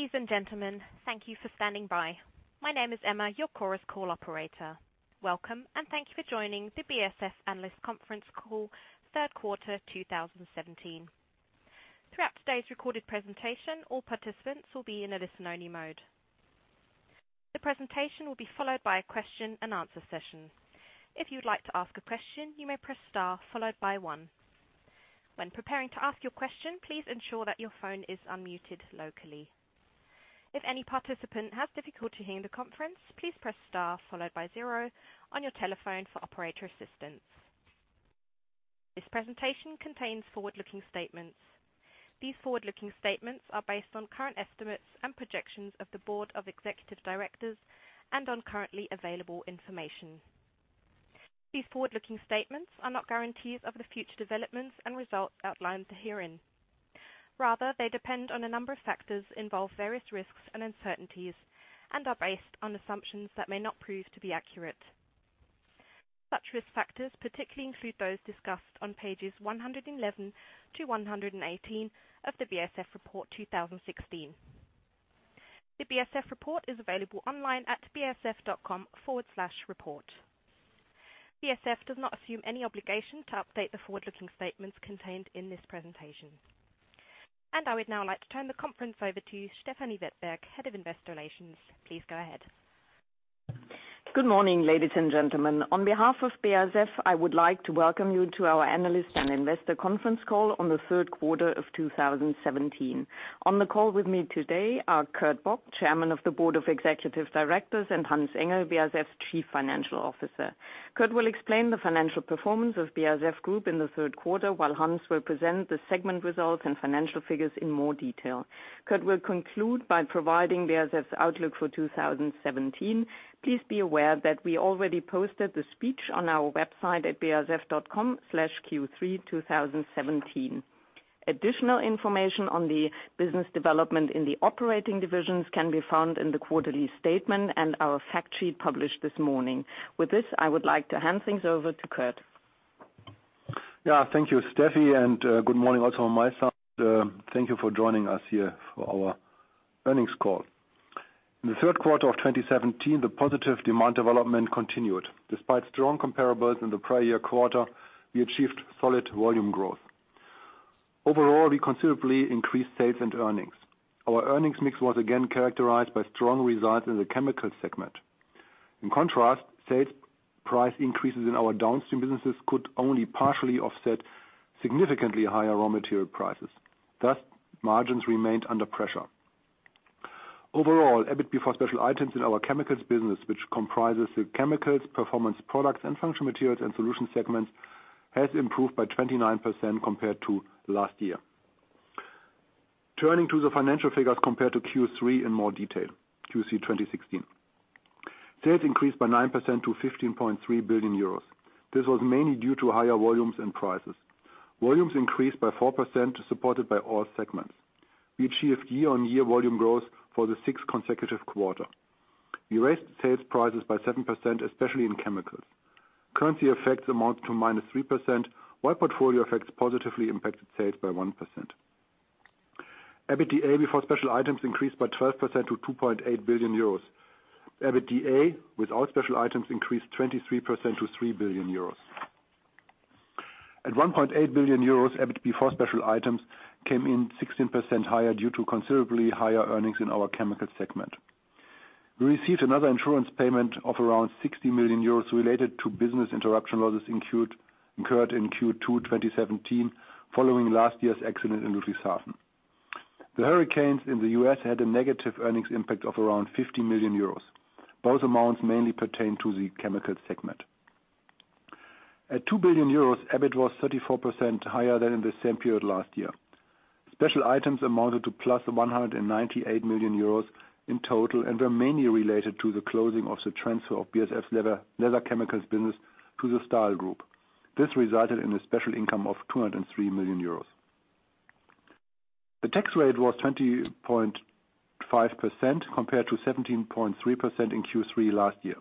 Ladies and gentlemen, thank you for standing by. My name is Emma, your Chorus Call operator. Welcome, and thank you for joining the BASF Analyst Conference Call, third quarter 2017. Throughout today's recorded presentation, all participants will be in a listen-only mode. The presentation will be followed by a question-and-answer session. If you would like to ask a question, you may press star followed by one. When preparing to ask your question, please ensure that your phone is unmuted locally. If any participant has difficulty hearing the conference, please press star followed by zero on your telephone for operator assistance. This presentation contains forward-looking statements. These forward-looking statements are based on current estimates and projections of the Board of Executive Directors and on currently available information. These forward-looking statements are not guarantees of the future developments and results outlined herein. Rather, they depend on a number of factors, involve various risks and uncertainties, and are based on assumptions that may not prove to be accurate. Such risk factors particularly include those discussed on pages 111 to 118 of the BASF Report 2016. The BASF Report is available online at basf.com/report. BASF does not assume any obligation to update the forward-looking statements contained in this presentation. I would now like to turn the conference over to Stefanie Wettberg, Head of Investor Relations. Please go ahead. Good morning, ladies and gentlemen. On behalf of BASF, I would like to welcome you to our Analyst and Investor Conference Call on the third quarter of 2017. On the call with me today are Kurt Bock, Chairman of the Board of Executive Directors, and Hans-Ulrich Engel, BASF Chief Financial Officer. Kurt will explain the financial performance of BASF Group in the third quarter, while Hans will present the segment results and financial figures in more detail. Kurt will conclude by providing BASF's outlook for 2017. Please be aware that we already posted the speech on our website at basf.com/q32017. Additional information on the business development in the operating divisions can be found in the quarterly statement and our fact sheet published this morning. With this, I would like to hand things over to Kurt. Yeah. Thank you, Steffi, and good morning also on my side. Thank you for joining us here for our earnings call. In the third quarter of 2017, the positive demand development continued. Despite strong comparables in the prior year quarter, we achieved solid volume growth. Overall, we considerably increased sales and earnings. Our earnings mix was again characterized by strong results in the Chemicals segment. In contrast, sales price increases in our downstream businesses could only partially offset significantly higher raw material prices. Thus, margins remained under pressure. Overall, EBIT before special items in our chemicals business, which comprises the Chemicals, Performance Products, and Functional Materials and Solutions segments, has improved by 29% compared to last year. Turning to the financial figures compared to Q3 2016 in more detail. Sales increased by 9% to 15.3 billion euros. This was mainly due to higher volumes and prices. Volumes increased by 4%, supported by all segments. We achieved year-on-year volume growth for the 6th consecutive quarter. We raised sales prices by 7%, especially in chemicals. Currency effects amount to -3%, while portfolio effects positively impacted sales by 1%. EBITDA before special items increased by 12% to 2.8 billion euros. EBITDA without special items increased 23% to 3 billion euros. At 1.8 billion euros, EBIT before special items came in 16% higher due to considerably higher earnings in our chemicals segment. We received another insurance payment of around 60 million euros related to business interruption losses incurred in Q2 2017 following last year's accident in Ludwigshafen. The hurricanes in the U.S. had a negative earnings impact of around 50 million euros. Both amounts mainly pertain to the chemicals segment. At 2 billion euros, EBIT was 34% higher than in the same period last year. Special items amounted to +198 million euros in total and were mainly related to the closing of the transfer of BASF's leather chemicals business to the Stahl Group. This resulted in a special income of 203 million euros. The tax rate was 20.5% compared to 17.3% in Q3 last year.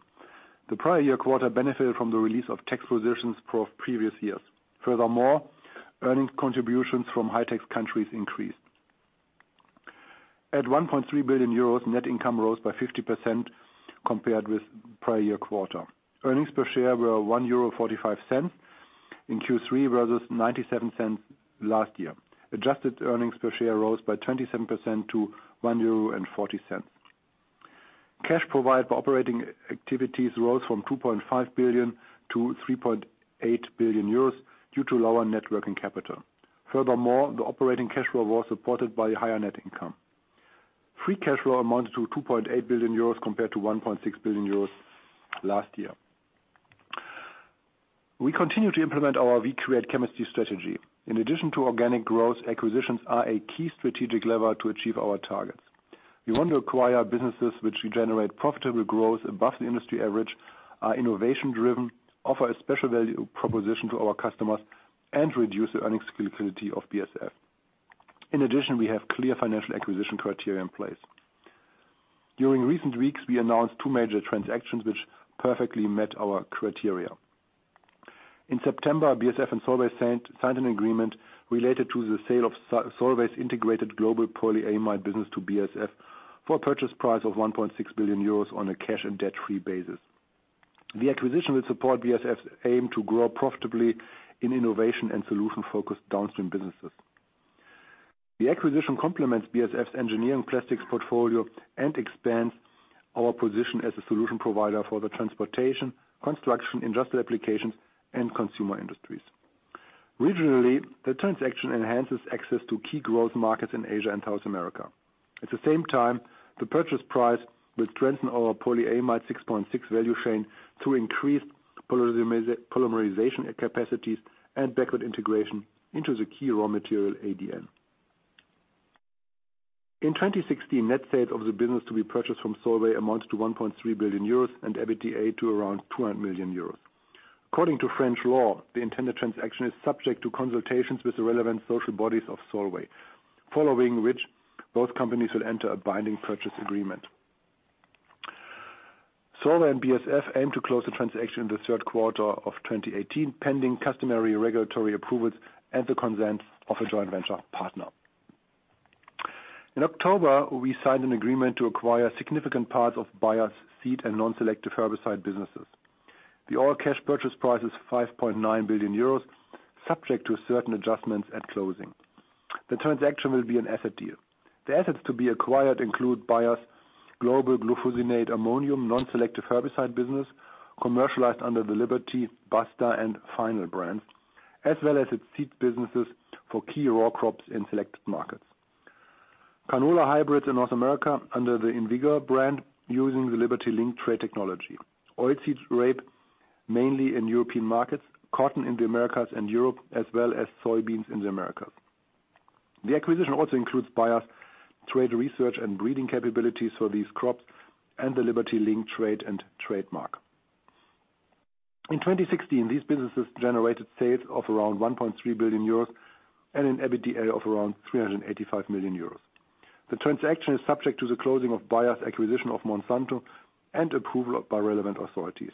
The prior year quarter benefited from the release of tax positions for previous years. Furthermore, earnings contributions from high-tax countries increased. At 1.3 billion euros, net income rose by 50% compared with prior year quarter. Earnings per share were 1.45 euro in Q3, versus 0.97 last year. Adjusted earnings per share rose by 27% to 1.40 euro. Cash provided by operating activities rose from 2.5 billion to 3.8 billion euros due to lower net working capital. Furthermore, the operating cash flow was supported by higher net income. Free cash flow amounted to 2.8 billion euros compared to 1.6 billion euros last year. We continue to implement our We Create Chemistry strategy. In addition to organic growth, acquisitions are a key strategic lever to achieve our targets. We want to acquire businesses which generate profitable growth above the industry average, are innovation driven, offer a special value proposition to our customers, and reduce the earnings visibility of BASF. In addition, we have clear financial acquisition criteria in place. During recent weeks, we announced two major transactions which perfectly met our criteria. In September, BASF and Solvay signed an agreement related to the sale of Solvay's integrated global polyamide business to BASF for a purchase price of 1.6 billion euros on a cash and debt-free basis. The acquisition will support BASF's aim to grow profitably in innovation and solution-focused downstream businesses. The acquisition complements BASF's engineering plastics portfolio and expands our position as a solution provider for the transportation, construction, industrial applications, and consumer industries. Regionally, the transaction enhances access to key growth markets in Asia and South America. At the same time, the purchase price will strengthen our polyamide 6.6 value chain through increased polymerization capacities and backward integration into the key raw material, ADN. In 2016, net sales of the business to be purchased from Solvay amounts to 1.3 billion euros and EBITDA to around 200 million euros. According to French law, the intended transaction is subject to consultations with the relevant social bodies of Solvay, following which both companies will enter a binding purchase agreement. Solvay and BASF aim to close the transaction in the third quarter of 2018, pending customary regulatory approvals and the consent of a joint venture partner. In October, we signed an agreement to acquire significant parts of Bayer's seed and non-selective herbicide businesses. The all-cash purchase price is 5.9 billion euros, subject to certain adjustments at closing. The transaction will be an asset deal. The assets to be acquired include Bayer's global glufosinate-ammonium non-selective herbicide business, commercialized under the Liberty, Basta, and Finale brands, as well as its seed businesses for key row crops in select markets, canola hybrids in North America under the InVigor brand using the LibertyLink trait technology, oilseed rape mainly in European markets, cotton in the Americas and Europe, as well as soybeans in the Americas. The acquisition also includes Bayer's trait research and breeding capabilities for these crops and the LibertyLink trait and trademark. In 2016, these businesses generated sales of around 1.3 billion euros and an EBITDA of around 385 million euros. The transaction is subject to the closing of Bayer's acquisition of Monsanto and approval by relevant authorities.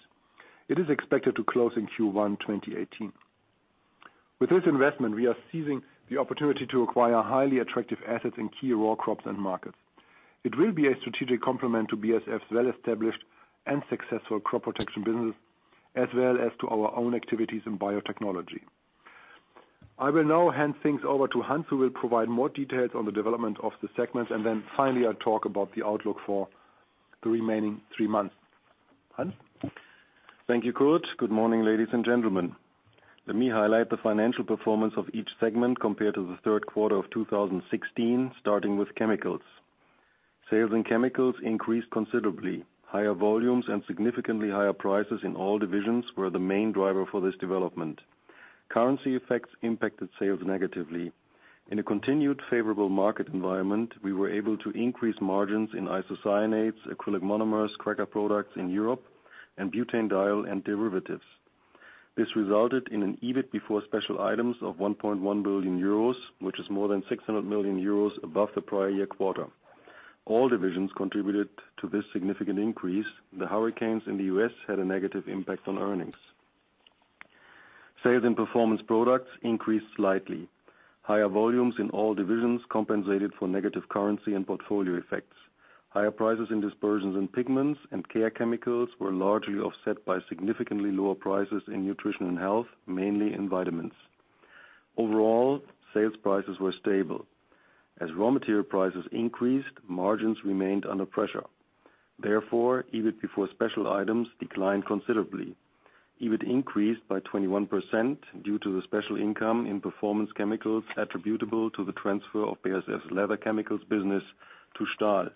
It is expected to close in Q1 2018. With this investment, we are seizing the opportunity to acquire highly attractive assets in key row crops and markets. It will be a strategic complement to BASF's well-established and successful crop protection business, as well as to our own activities in biotechnology. I will now hand things over to Hans, who will provide more details on the development of the segment, and then finally I'll talk about the outlook for the remaining three months. Hans? Thank you, Kurt. Good morning, ladies and gentlemen. Let me highlight the financial performance of each segment compared to Q3 2016, starting with Chemicals. Sales in Chemicals increased considerably. Higher volumes and significantly higher prices in all divisions were the main driver for this development. Currency effects impacted sales negatively. In a continued favorable market environment, we were able to increase margins in isocyanates, acrylic monomers, cracker products in Europe, and butanediol and derivatives. This resulted in an EBIT before special items of 1.1 billion euros, which is more than 600 million euros above the prior-year quarter. All divisions contributed to this significant increase. The hurricanes in the U.S. had a negative impact on earnings. Sales in Performance Products increased slightly. Higher volumes in all divisions compensated for negative currency and portfolio effects. Higher prices in dispersions and pigments and care chemicals were largely offset by significantly lower prices in nutrition and health, mainly in vitamins. Overall, sales prices were stable. As raw material prices increased, margins remained under pressure. Therefore, EBIT before special items declined considerably. EBIT increased by 21% due to the special income in Performance Chemicals attributable to the transfer of BASF's leather chemicals business to Stahl.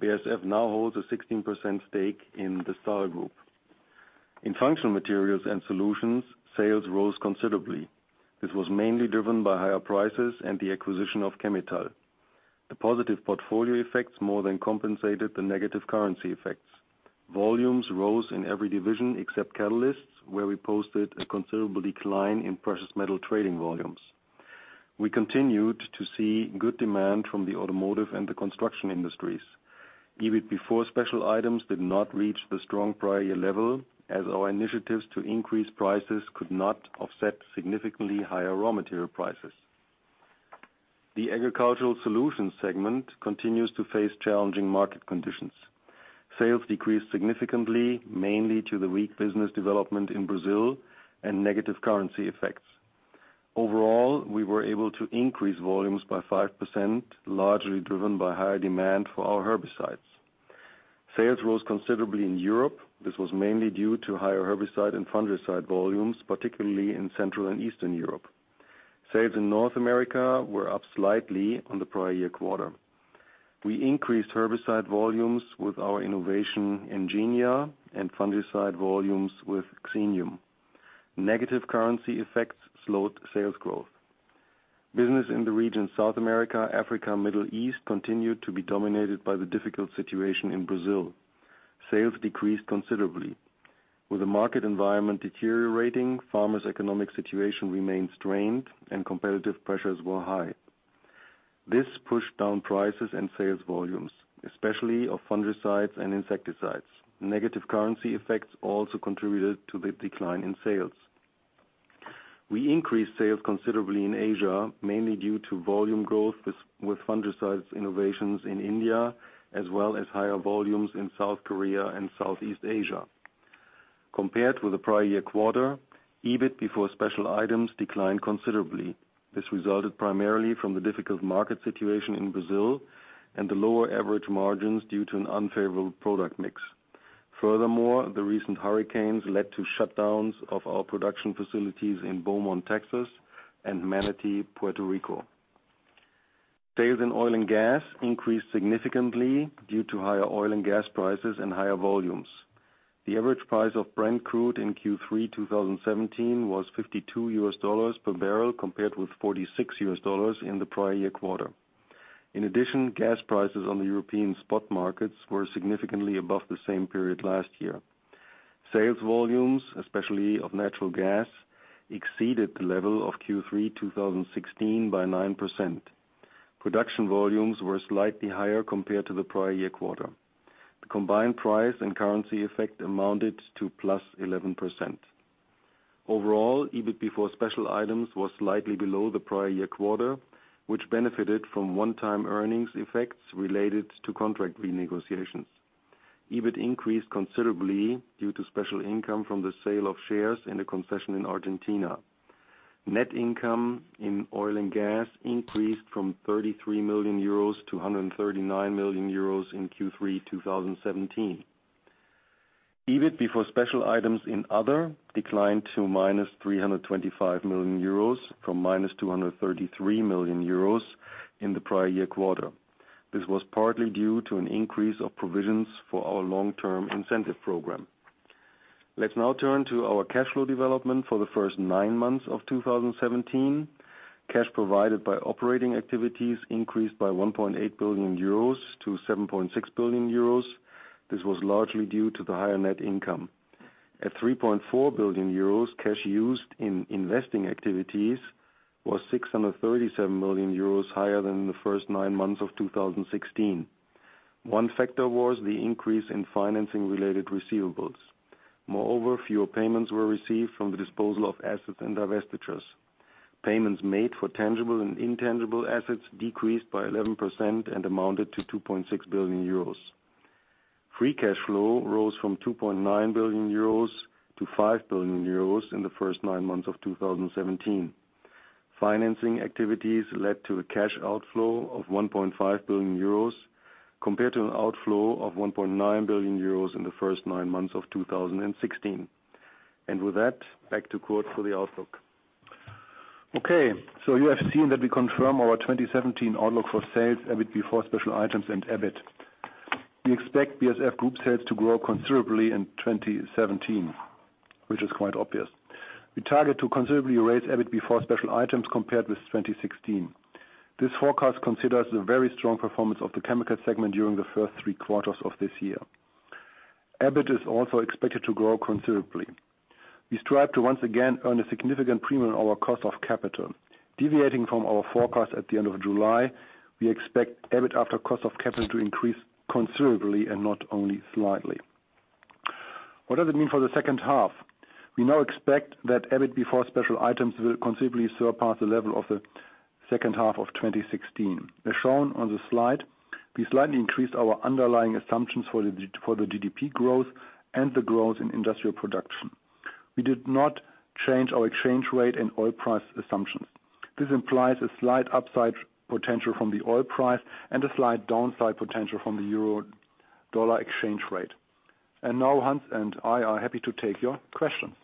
BASF now holds a 16% stake in the Stahl Group. In Functional Materials and Solutions, sales rose considerably. This was mainly driven by higher prices and the acquisition of Chemetall. The positive portfolio effects more than compensated the negative currency effects. Volumes rose in every division except Catalysts, where we posted a considerable decline in precious metal trading volumes. We continued to see good demand from the automotive and the construction industries. EBIT before special items did not reach the strong prior year level, as our initiatives to increase prices could not offset significantly higher raw material prices. The Agricultural Solutions segment continues to face challenging market conditions. Sales decreased significantly, mainly to the weak business development in Brazil and negative currency effects. Overall, we were able to increase volumes by 5%, largely driven by higher demand for our herbicides. Sales rose considerably in Europe. This was mainly due to higher herbicide and fungicide volumes, particularly in Central and Eastern Europe. Sales in North America were up slightly on the prior year quarter. We increased herbicide volumes with our innovation Engenia and fungicide volumes with Xemium. Negative currency effects slowed sales growth. Business in the region South America, Africa, Middle East continued to be dominated by the difficult situation in Brazil. Sales decreased considerably. With the market environment deteriorating, farmers' economic situation remained strained and competitive pressures were high. This pushed down prices and sales volumes, especially of fungicides and insecticides. Negative currency effects also contributed to the decline in sales. We increased sales considerably in Asia, mainly due to volume growth with fungicides innovations in India, as well as higher volumes in South Korea and Southeast Asia. Compared with the prior year quarter, EBIT before special items declined considerably. This resulted primarily from the difficult market situation in Brazil and the lower average margins due to an unfavorable product mix. Furthermore, the recent hurricanes led to shutdowns of our production facilities in Beaumont, Texas and Manatí, Puerto Rico. Sales in oil and gas increased significantly due to higher oil and gas prices and higher volumes. The average price of Brent crude in Q3 2017 was $52 per barrel, compared with $46 in the prior year quarter. In addition, gas prices on the European spot markets were significantly above the same period last year. Sales volumes, especially of natural gas, exceeded the level of Q3 2016 by 9%. Production volumes were slightly higher compared to the prior year quarter. The combined price and currency effect amounted to +11%. Overall, EBIT before special items was slightly below the prior year quarter, which benefited from one-time earnings effects related to contract renegotiations. EBIT increased considerably due to special income from the sale of shares in the concession in Argentina. Net income in oil and gas increased from 33 million euros to 139 million euros in Q3 2017. EBIT before special items in other declined to -325 million euros from -233 million euros in the prior year quarter. This was partly due to an increase of provisions for our long-term incentive program. Let's now turn to our cash flow development for the first nine months of 2017. Cash provided by operating activities increased by 1.8 billion euros to 7.6 billion euros. This was largely due to the higher net income. At 3.4 billion euros, cash used in investing activities was 637 million euros higher than the first nine months of 2016. One factor was the increase in financing-related receivables. Moreover, fewer payments were received from the disposal of assets and divestitures. Payments made for tangible and intangible assets decreased by 11% and amounted to 2.6 billion euros. Free cash flow rose from 2.9 billion euros to 5 billion euros in the first nine months of 2017. Financing activities led to a cash outflow of 1.5 billion euros compared to an outflow of 1.9 billion euros in the first nine months of 2016. With that, back to Kurt for the outlook. You have seen that we confirm our 2017 outlook for sales, EBIT before special items and EBIT. We expect BASF Group sales to grow considerably in 2017, which is quite obvious. We target to considerably raise EBIT before special items compared with 2016. This forecast considers the very strong performance of the chemicals segment during the first three quarters of this year. EBIT is also expected to grow considerably. We strive to once again earn a significant premium on our cost of capital. Deviating from our forecast at the end of July, we expect EBIT after cost of capital to increase considerably and not only slightly. What does it mean for the second half? We now expect that EBIT before special items will considerably surpass the level of the second half of 2016. As shown on the slide, we slightly increased our underlying assumptions for the GDP growth and the growth in industrial production. We did not change our exchange rate and oil price assumptions. This implies a slight upside potential from the oil price and a slight downside potential from the euro-dollar exchange rate. Now Hans and I are happy to take your questions.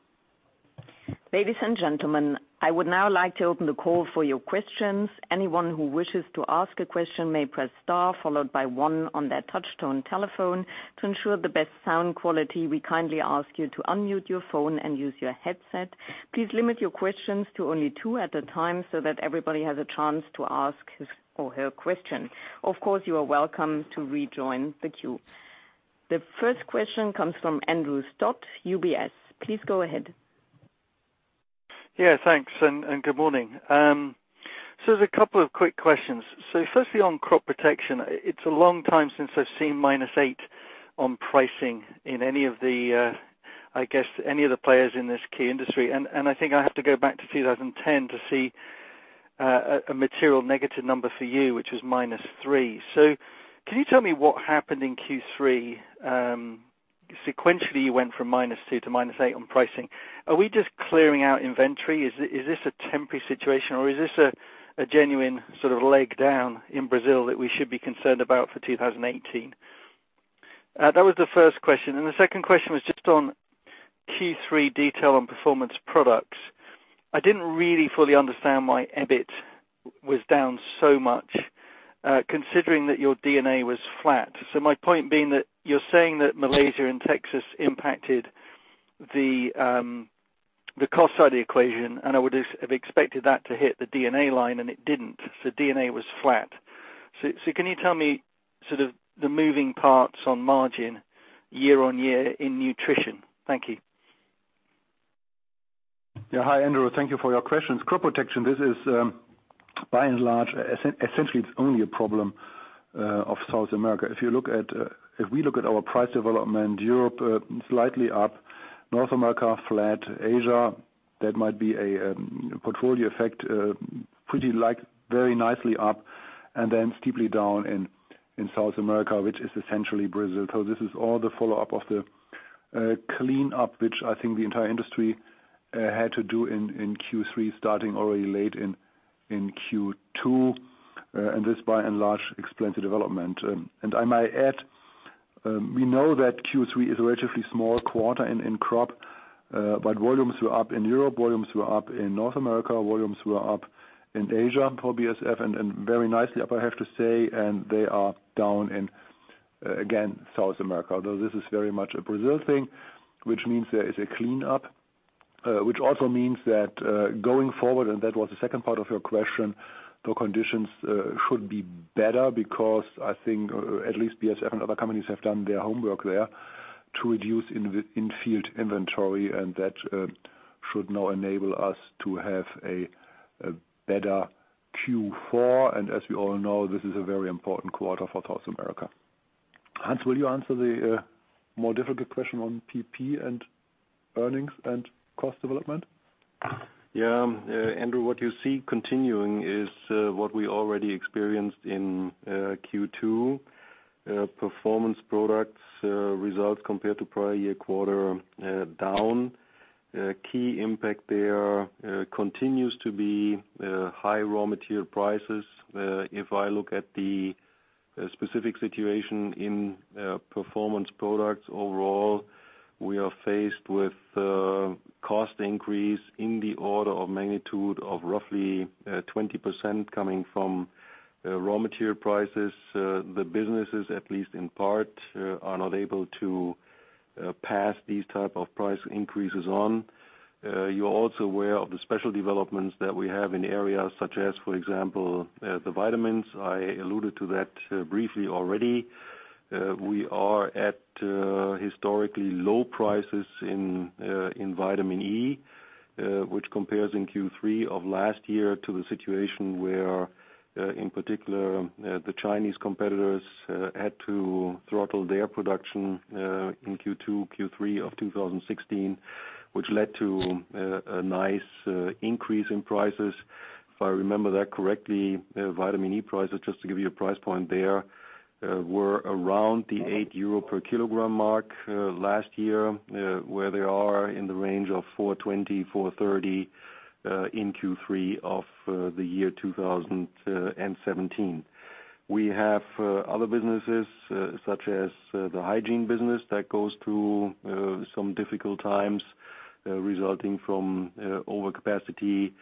Ladies and gentlemen, I would now like to open the call for your questions. Anyone who wishes to ask a question may press star followed by one on their touch-tone telephone. To ensure the best sound quality, we kindly ask you to unmute your phone and use your headset. Please limit your questions to only two at a time so that everybody has a chance to ask his or her question. Of course, you are welcome to rejoin the queue. The first question comes from Andrew Stott, UBS. Please go ahead. Yeah, thanks, good morning. There's a couple of quick questions. Firstly on crop protection, it's a long time since I've seen -8% on pricing in any of the, I guess, any of the players in this key industry. I think I have to go back to 2010 to see a material negative number for you, which is -3%. Can you tell me what happened in Q3? Sequentially, you went from -2% to -8% on pricing. Are we just clearing out inventory? Is this a temporary situation, or is this a genuine sort of leg down in Brazil that we should be concerned about for 2018? That was the first question. The second question was just on Q3 detail on performance products. I didn't really fully understand why EBIT was down so much, considering that your D&A was flat. My point being that you're saying that Malaysia and Texas impacted the cost side of the equation, and I would have expected that to hit the D&A line, and it didn't. D&A was flat. Can you tell me sort of the moving parts on margin year-over-year in nutrition? Thank you. Yeah. Hi, Andrew. Thank you for your questions. Crop protection, this is by and large essentially only a problem of South America. If we look at our price development, Europe slightly up, North America flat, Asia, that might be a portfolio effect, very nicely up, and then steeply down in South America, which is essentially Brazil. This is all the follow-up of the cleanup, which I think the entire industry had to do in Q3 starting already late in Q2. This by and large explains the development. I might add, we know that Q3 is a relatively small quarter in crop. Volumes were up in Europe, volumes were up in North America, volumes were up in Asia for BASF, and very nicely up, I have to say, and they are down in, again, South America, although this is very much a Brazil thing, which means there is a cleanup. Which also means that, going forward, and that was the second part of your question, the conditions should be better because I think at least BASF and other companies have done their homework there to reduce in-field inventory, and that should now enable us to have a better Q4. As we all know, this is a very important quarter for South America. Hans, will you answer the more difficult question on PP and earnings and cost development? Andrew, what you see continuing is what we already experienced in Q2. Performance Products results compared to prior-year quarter down. Key impact there continues to be high raw material prices. If I look at the specific situation in Performance Products overall, we are faced with cost increase in the order of magnitude of roughly 20% coming from raw material prices. The businesses at least in part are not able to pass these type of price increases on. You're also aware of the special developments that we have in areas such as, for example, the vitamins. I alluded to that briefly already. We are at historically low prices in vitamin E, which compares in Q3 of last year to the situation where in particular the Chinese competitors had to throttle their production in Q2, Q3 of 2016, which led to a nice increase in prices. If I remember that correctly, vitamin E prices, just to give you a price point there, were around the 8 euro per kilogram mark last year, where they are in the range of 420-430 EUR per kilogram in Q3 of the year 2017. We have other businesses such as the hygiene business that goes through some difficult times resulting from overcapacity.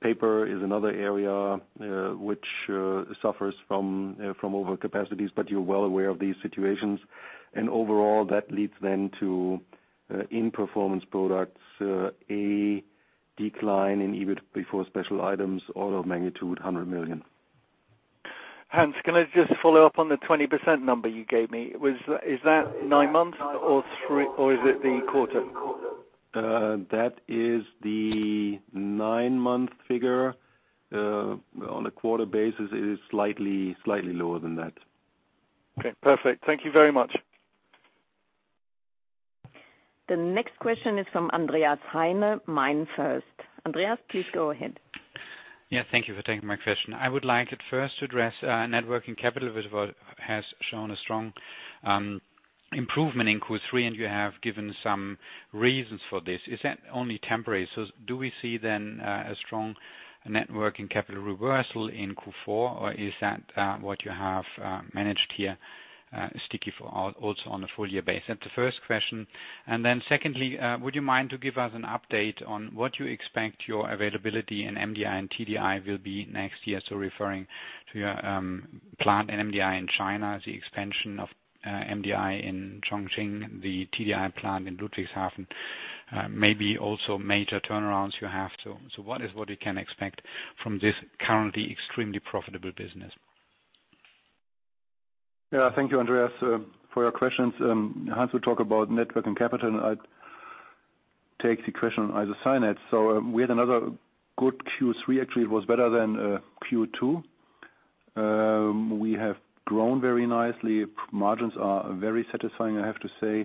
Paper is another area which suffers from overcapacities, but you're well aware of these situations. Overall, that leads then to a decline in EBIT before special items in Performance Products of the order of magnitude of 100 million. Hans, can I just follow up on the 20% number you gave me? Is that nine months or three, or is it the quarter? That is the nine-month figure. On a quarter basis it is slightly lower than that. Okay, perfect. Thank you very much. The next question is from Andreas Heine, MainFirst. Andreas, please go ahead. Yeah, thank you for taking my question. I would like at first to address net working capital, which has shown a strong improvement in Q3, and you have given some reasons for this. Is that only temporary? Do we see then a strong net working capital reversal in Q4, or is that what you have managed here sticky also on a full-year basis? That's the first question. Secondly, would you mind to give us an update on what you expect your availability in MDI and TDI will be next year? Referring to your plant in MDI in China, the expansion of MDI in Chongqing, the TDI plant in Ludwigshafen, maybe also major turnarounds you have. What we can expect from this currently extremely profitable business? Yeah. Thank you, Andreas Heine, for your questions. Hans Engel will talk about net working capital. I take the question on isocyanates. We had another good Q3. Actually, it was better than Q2. We have grown very nicely. Margins are very satisfying, I have to say.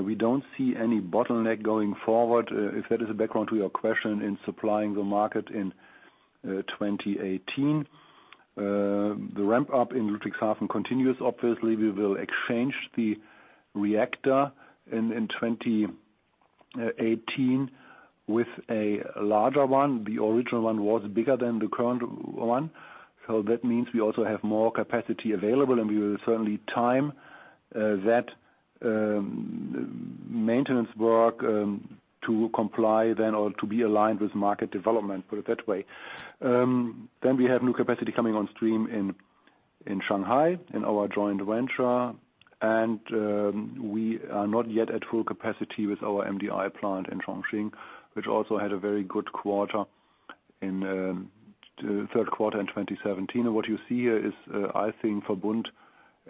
We don't see any bottleneck going forward, if that is a background to your question, in supplying the market in 2018. The ramp up in Ludwigshafen continues. Obviously, we will exchange the reactor in 2018 with a larger one. The original one was bigger than the current one. So that means we also have more capacity available, and we will certainly time that maintenance work to comply then or to be aligned with market development, put it that way. We have new capacity coming on stream in Shanghai, in our joint venture. We are not yet at full capacity with our MDI plant in Chongqing, which also had a very good quarter in the third quarter in 2017. What you see here is, I think Verbund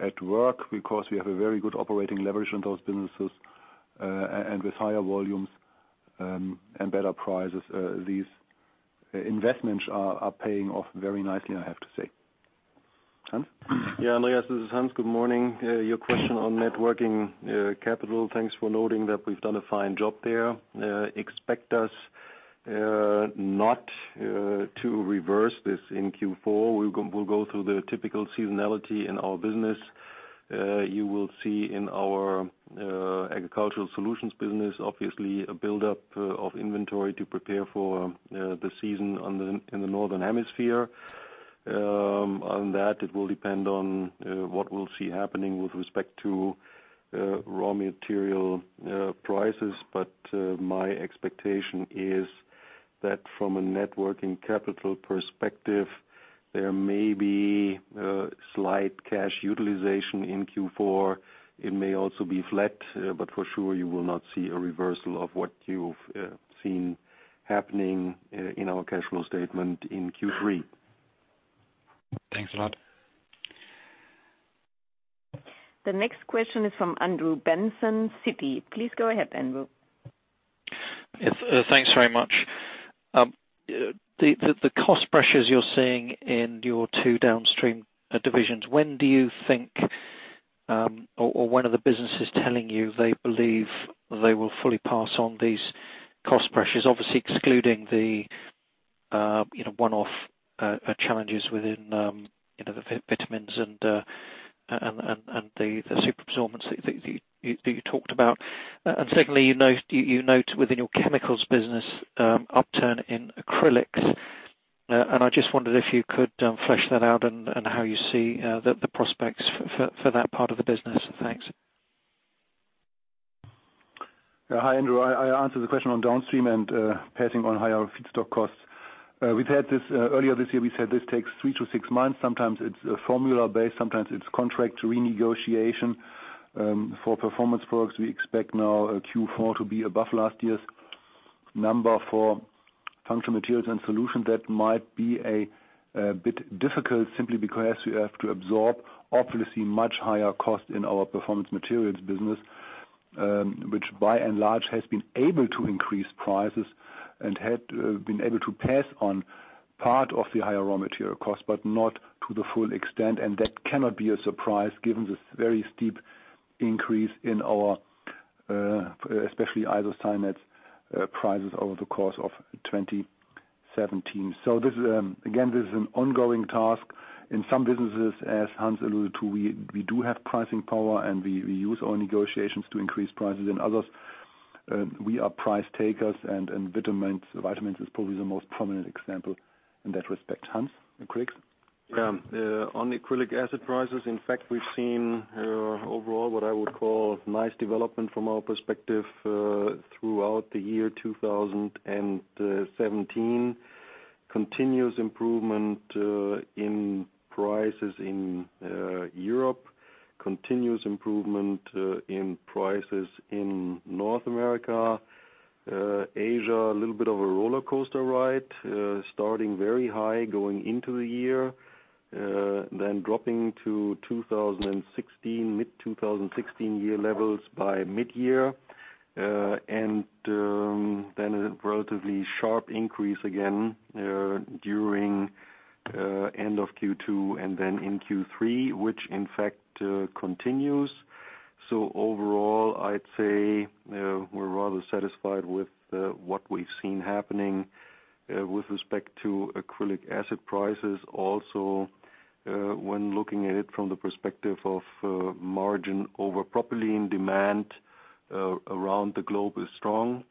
at work, because we have a very good operating leverage on those businesses. And with higher volumes and better prices, these investments are paying off very nicely, I have to say. Hans? Yeah, Andreas, this is Hans Engel. Good morning. Your question on net working capital, thanks for noting that we've done a fine job there. Expect us not to reverse this in Q4. We'll go through the typical seasonality in our business. You will see in our Agricultural Solutions business, obviously a buildup of inventory to prepare for the season in the Northern Hemisphere. On that, it will depend on what we'll see happening with respect to raw material prices. My expectation is that from a net working capital perspective, there may be slight cash utilization in Q4. It may also be flat, but for sure you will not see a reversal of what you've seen happening in our cash flow statement in Q3. Thanks a lot. The next question is from Andrew Benson, Citi. Please go ahead, Andrew. Yes, thanks very much. The cost pressures you're seeing in your two downstream divisions, when do you think or when are the businesses telling you they believe they will fully pass on these cost pressures? Obviously excluding the, you know, one-off challenges within, you know, the vitamins and the superabsorbents that you talked about. Secondly, you note within your chemicals business, upturn in acrylics. I just wondered if you could flesh that out and how you see the prospects for that part of the business. Thanks. Yeah, hi, Andrew. I answered the question on downstream and passing on higher feedstock costs. We've had this earlier this year. We said this takes 3-6 months. Sometimes it's a formula base, sometimes it's contract renegotiation. For Performance Products, we expect now Q4 to be above last year's number. For Functional Materials and Solutions, that might be a bit difficult simply because we have to absorb obviously much higher cost in our Performance Materials business, which by and large has been able to increase prices and had been able to pass on part of the higher raw material cost, but not to the full extent. That cannot be a surprise given the very steep increase in our especially isocyanates prices over the course of 2017. This is again an ongoing task. In some businesses, as Hans alluded to, we do have pricing power, and we use our negotiations to increase prices. In others, we are price takers and vitamins is probably the most prominent example in that respect. Hans, acrylics? Yeah. On the acrylic acid prices, in fact, we've seen overall what I would call nice development from our perspective throughout the year 2017. Continuous improvement in prices in Europe, continuous improvement in prices in North America. Asia, a little bit of a rollercoaster ride starting very high going into the year, then dropping to 2016, mid-2016 year levels by midyear. And then a relatively sharp increase again during end of Q2 and then in Q3, which in fact continues. Overall, I'd say we're rather satisfied with what we've seen happening with respect to acrylic acid prices. Also, when looking at it from the perspective of margin over propylene demand around the globe is strong.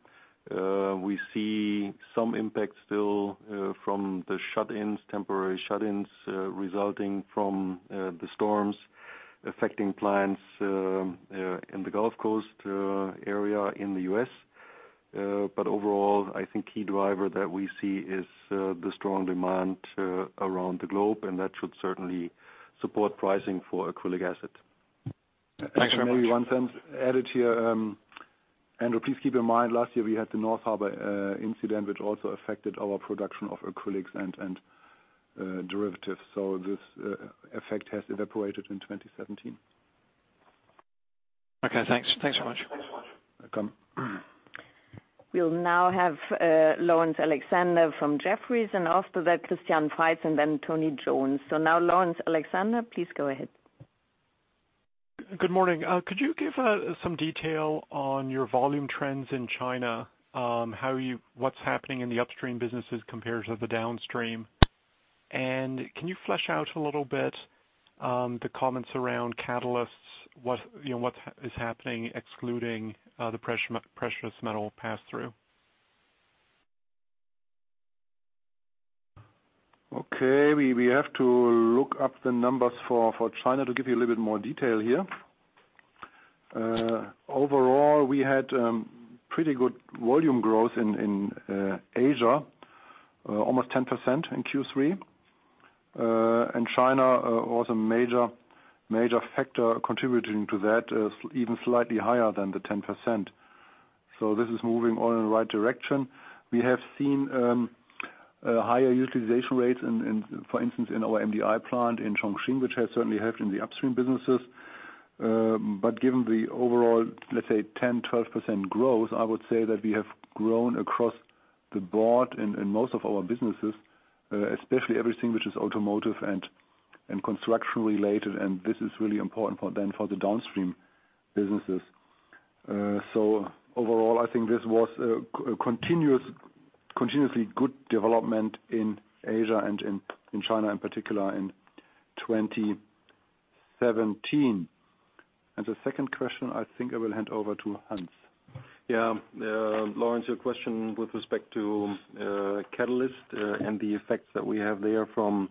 We see some impact still from the temporary shut-ins resulting from the storms affecting plants in the Gulf Coast area in the U.S. Overall, I think key driver that we see is the strong demand around the globe, and that should certainly support pricing for acrylic acid. Thanks very much. Maybe one thing to add it here. Andrew, please keep in mind last year we had the North Harbour incident, which also affected our production of acrylics and derivatives. This effect has evaporated in 2017. Okay, thanks. Thanks so much. Welcome. We'll now have Laurence Alexander from Jefferies, and after that Christian Faitz and then Tony Jones. Now Laurence Alexander, please go ahead. Good morning. Could you give some detail on your volume trends in China? What's happening in the upstream businesses compared to the downstream? Can you flesh out a little bit the comments around catalysts? You know, what is happening excluding the pressure, precious metal pass-through? We have to look up the numbers for China to give you a little bit more detail here. Overall, we had pretty good volume growth in Asia, almost 10% in Q3. In China was a major factor contributing to that, 7% slightly higher than the 10%. This is moving all in the right direction. We have seen a higher utilization rates in, for instance, in our MDI plant in Chongqing, which has certainly helped in the upstream businesses. But given the overall, let's say 10%-12% growth, I would say that we have grown across the board in most of our businesses, especially everything which is automotive and construction related. This is really important for the downstream businesses. Overall, I think this was a continuously good development in Asia and in China, in particular, in 2017. The second question, I think I will hand over to Hans. Laurence, your question with respect to catalyst and the effects that we have therefrom,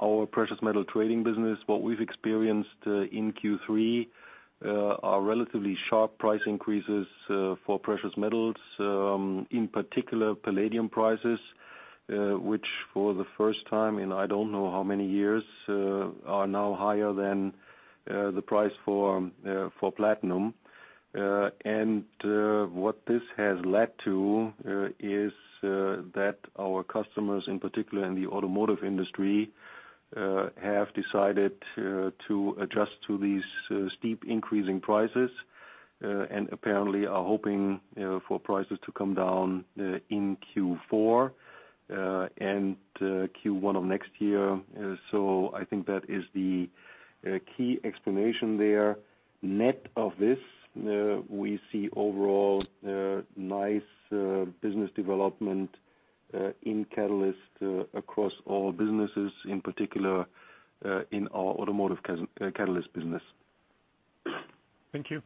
our precious metal trading business. What we've experienced in Q3 are relatively sharp price increases for precious metals, in particular Palladium prices, which for the first time in I don't know how many years are now higher than the price for Platinum. What this has led to is that our customers, in particular in the automotive industry, have decided to adjust to these steep increases in prices and apparently are hoping for prices to come down in Q4 and Q1 of next year. I think that is the key explanation there. Net of this, we see overall nice business development in catalyst across all businesses, in particular in our automotive catalyst business. Thank you.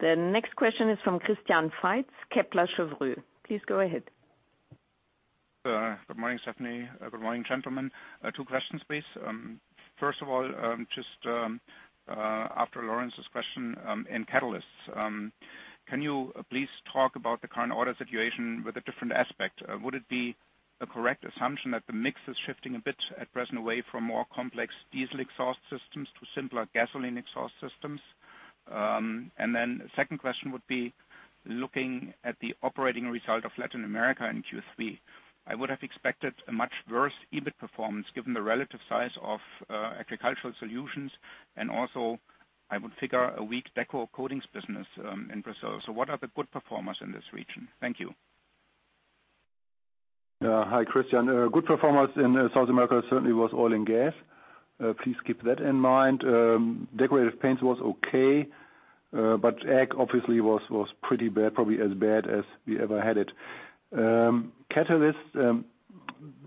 The next question is from Christian Faitz, Kepler Cheuvreux. Please go ahead. Good morning, Stefanie. Good morning, gentlemen. Two questions, please. First of all, after Laurence's question, in catalysts, can you please talk about the current order situation from a different aspect? Would it be a correct assumption that the mix is shifting a bit at present away from more complex diesel exhaust systems to simpler gasoline exhaust systems? Second question would be looking at the operating result of Latin America in Q3. I would have expected a much worse EBIT performance given the relative size of Agricultural Solutions. Also I would figure a weak Decorative Coatings business in Brazil. What are the good performers in this region? Thank you. Hi, Christian. A good performance in South America certainly was oil and gas. Please keep that in mind. Decorative paints was okay, but ag obviously was pretty bad, probably as bad as we ever had it. Catalyst,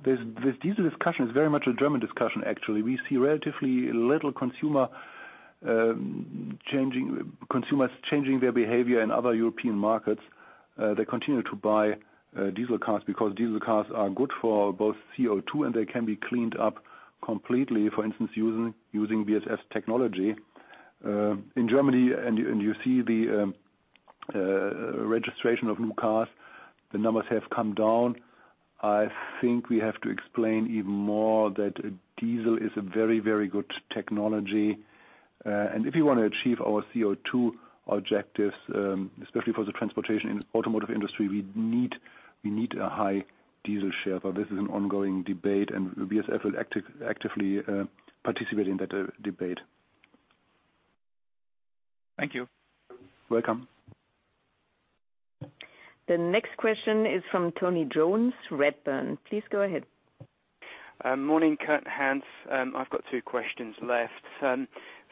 this diesel discussion is very much a German discussion, actually. We see relatively little consumers changing their behavior in other European markets. They continue to buy diesel cars because diesel cars are good for both CO2, and they can be cleaned up completely. For instance, using SCR technology. In Germany, and you see the registration of new cars, the numbers have come down. I think we have to explain even more that diesel is a very good technology. If you want to achieve our CO2 objectives, especially for the transportation and automotive industry, we need a high diesel share. This is an ongoing debate and BASF will actively participate in that debate. Thank you. Welcome. The next question is from Tony Jones, Redburn. Please go ahead. Morning, Kurt and Hans. I've got two questions left.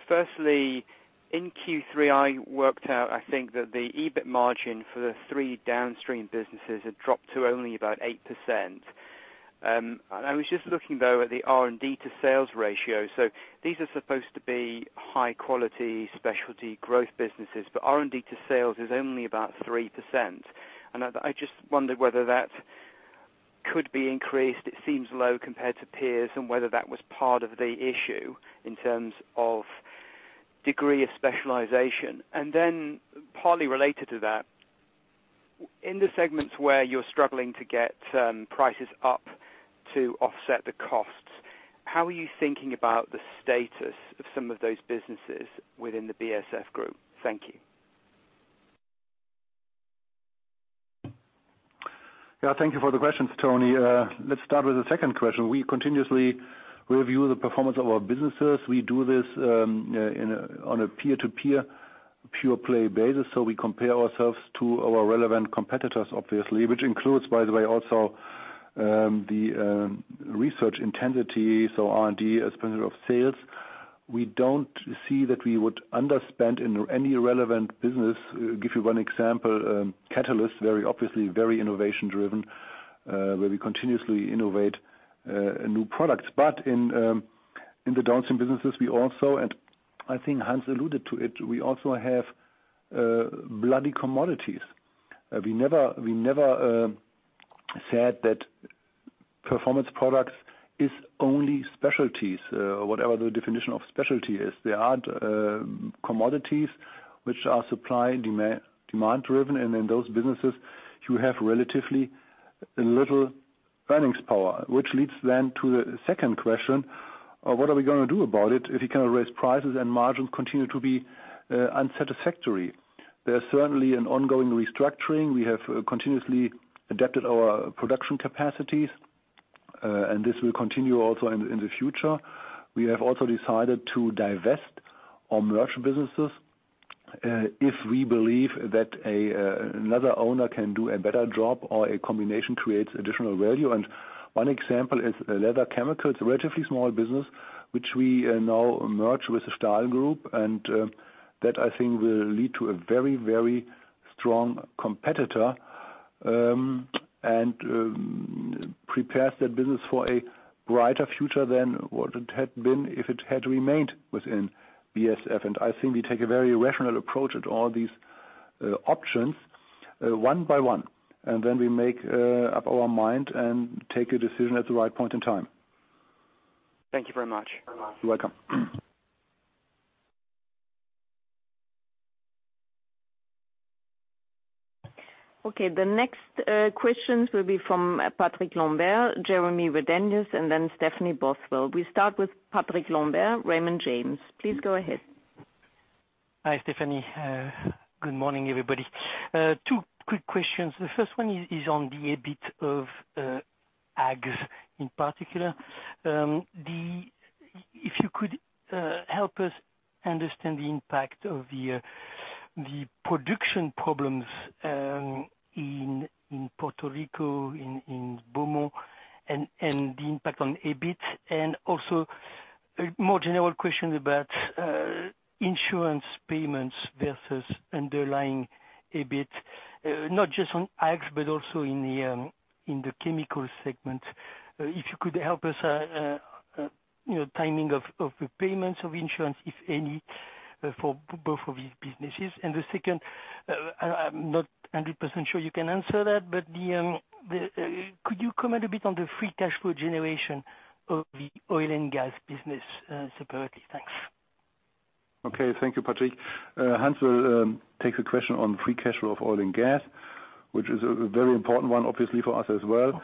Firstly, in Q3, I worked out, I think, that the EBIT margin for the three downstream businesses had dropped to only about 8%. I was just looking, though, at the R&D to sales ratio. These are supposed to be high quality specialty growth businesses, but R&D to sales is only about 3%. I just wondered whether that could be increased. It seems low compared to peers and whether that was part of the issue in terms of degree of specialization. Then partly related to that, in the segments where you're struggling to get prices up to offset the costs, how are you thinking about the status of some of those businesses within the BASF group? Thank you. Yeah, thank you for the questions, Tony. Let's start with the second question. We continuously review the performance of our businesses. We do this on a peer-to-peer pure play basis. We compare ourselves to our relevant competitors, obviously, which includes, by the way, also the research intensity, so R&D as percent of sales. We don't see that we would underspend in any relevant business. Give you one example, catalyst, very obviously very innovation driven, where we continuously innovate new products. In the downstream businesses, we also, and I think Hans alluded to it, we also have bloody commodities. We never said that Performance Products is only specialties, whatever the definition of specialty is. There are commodities which are supply and demand driven, and in those businesses you have relatively a little earnings power. Which leads then to the second question of what are we gonna do about it if you cannot raise prices and margins continue to be unsatisfactory? There's certainly an ongoing restructuring. We have continuously adapted our production capacities, and this will continue also in the future. We have also decided to divest or merge businesses, if we believe that another owner can do a better job or a combination creates additional value. One example is leather chemicals, a relatively small business which we now merge with the Stahl Group. that I think will lead to a very, very strong competitor, and prepare the business for a brighter future than what it had been if it had remained within BASF. I think we take a very rational approach at all these options, one by one, and then we make up our mind and take a decision at the right point in time. Thank you very much. You're welcome. Okay, the next questions will be from Patrick Lambert, Jeremy Redenius, and then Stephanie Bothwell. We start with Patrick Lambert, Raymond James. Please go ahead. Hi, Stefanie. Good morning, everybody. Two quick questions. The first one is on the EBIT of ags in particular. If you could help us understand the impact of the production problems in Puerto Rico, in Beaumont, and the impact on EBIT. Also a more general question about insurance payments versus underlying EBIT, not just on ags but also in the chemical segment. If you could help us, you know, timing of repayments of insurance, if any, for both of these businesses. I'm not 100% sure you can answer that, but could you comment a bit on the free cash flow generation of the oil and gas business, separately? Thanks. Okay, thank you, Patrick. Hans will take the question on free cash flow of oil and gas, which is a very important one obviously for us as well.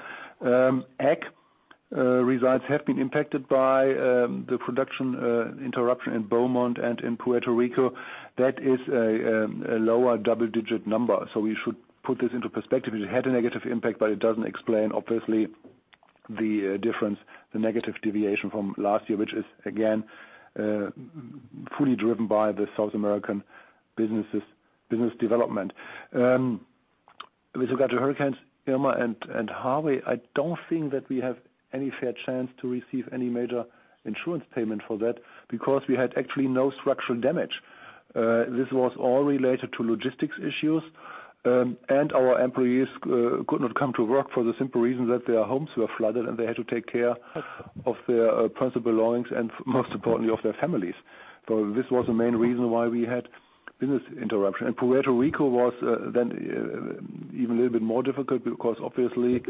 Ag results have been impacted by the production interruption in Beaumont and in Puerto Rico. That is a lower double-digit number, so we should put this into perspective. It had a negative impact, but it doesn't explain obviously the difference, the negative deviation from last year, which is again fully driven by the South American businesses, business development. With regard to Hurricanes Irma and Harvey, I don't think that we have any fair chance to receive any major insurance payment for that, because we had actually no structural damage. This was all related to logistics issues, and our employees could not come to work for the simple reason that their homes were flooded, and they had to take care of their personal belongings and most importantly of their families. This was the main reason why we had business interruption. Puerto Rico was then even a little bit more difficult because obviously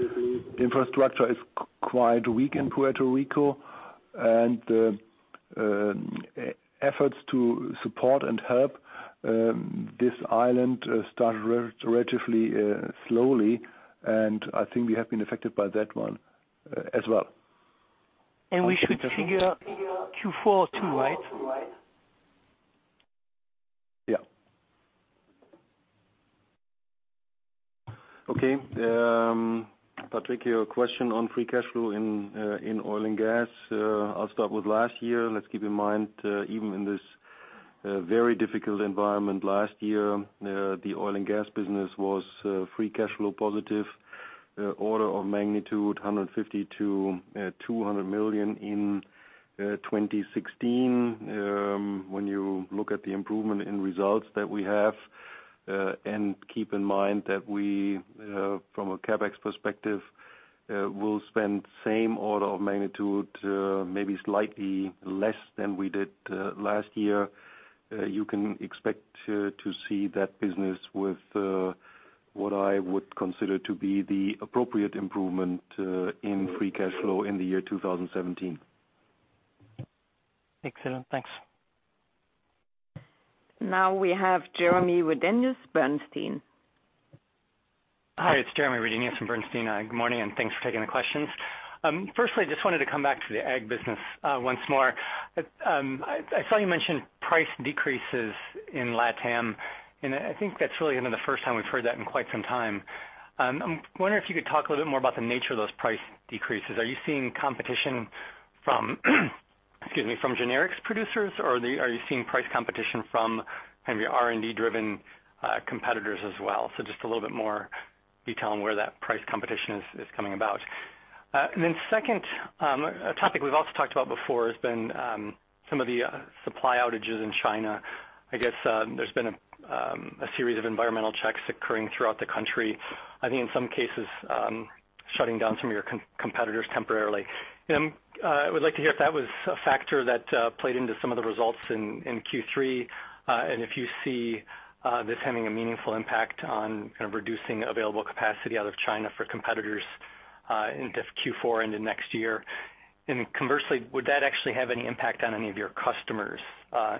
infrastructure is quite weak in Puerto Rico, and efforts to support and help this island started relatively slowly. I think we have been affected by that one, as well. We should figure Q4 too, right? Yeah. Okay. Patrick, your question on free cash flow in oil and gas. I'll start with last year. Let's keep in mind, even in this very difficult environment last year, the oil and gas business was free cash flow positive, order of magnitude 150 million-200 million in 2016. When you look at the improvement in results that we have, and keep in mind that we, from a CapEx perspective, will spend same order of magnitude, maybe slightly less than we did last year. You can expect to see that business with what I would consider to be the appropriate improvement in free cash flow in the year 2017. Excellent. Thanks. Now we have Jeremy Redenius, Bernstein. Hi, it's Jeremy Redenius from Bernstein. Good morning, and thanks for taking the questions. Firstly, just wanted to come back to the ag business once more. I saw you mention price decreases in LATAM, and I think that's really, you know, the first time we've heard that in quite some time. I'm wondering if you could talk a little bit more about the nature of those price decreases. Are you seeing competition from excuse me, from generics producers, or are you seeing price competition from kind of your R&D-driven competitors as well? So just a little bit more detail on where that price competition is coming about. Then second, a topic we've also talked about before has been some of the supply outages in China. I guess there's been a series of environmental checks occurring throughout the country. I think in some cases shutting down some of your competitors temporarily. I would like to hear if that was a factor that played into some of the results in Q3, and if you see this having a meaningful impact on kind of reducing available capacity out of China for competitors into Q4 into next year. Conversely, would that actually have any impact on any of your customers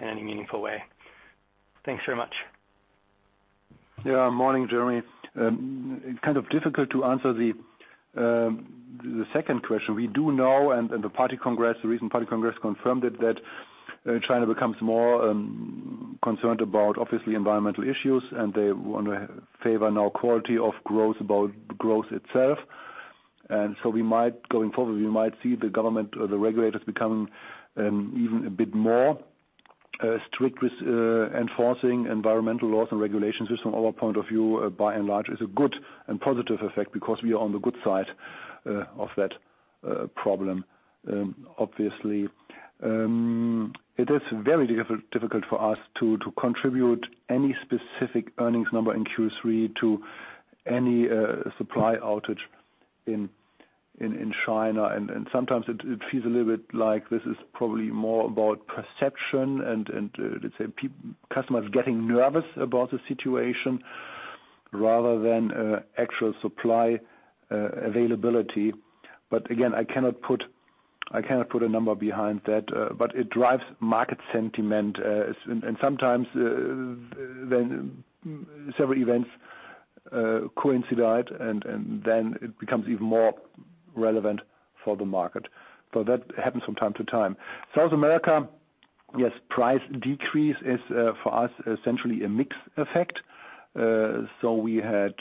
in any meaningful way? Thanks very much. Morning, Jeremy. It's kind of difficult to answer the second question. We do know, and the party congress, the recent party congress confirmed it, that China becomes more concerned about obviously environmental issues, and they wanna favor now quality of growth about growth itself. Going forward, we might see the government or the regulators become even a bit more strict with enforcing environmental laws and regulations. From our point of view, by and large, it is a good and positive effect because we are on the good side of that problem. Obviously, it is very difficult for us to contribute any specific earnings number in Q3 to any supply outage in China. Sometimes it feels a little bit like this is probably more about perception and customers getting nervous about the situation rather than actual supply availability. I cannot put a number behind that, but it drives market sentiment. Sometimes when several events coincide and then it becomes even more relevant for the market. That happens from time to time. South America, yes, price decrease is for us essentially a mix effect. We had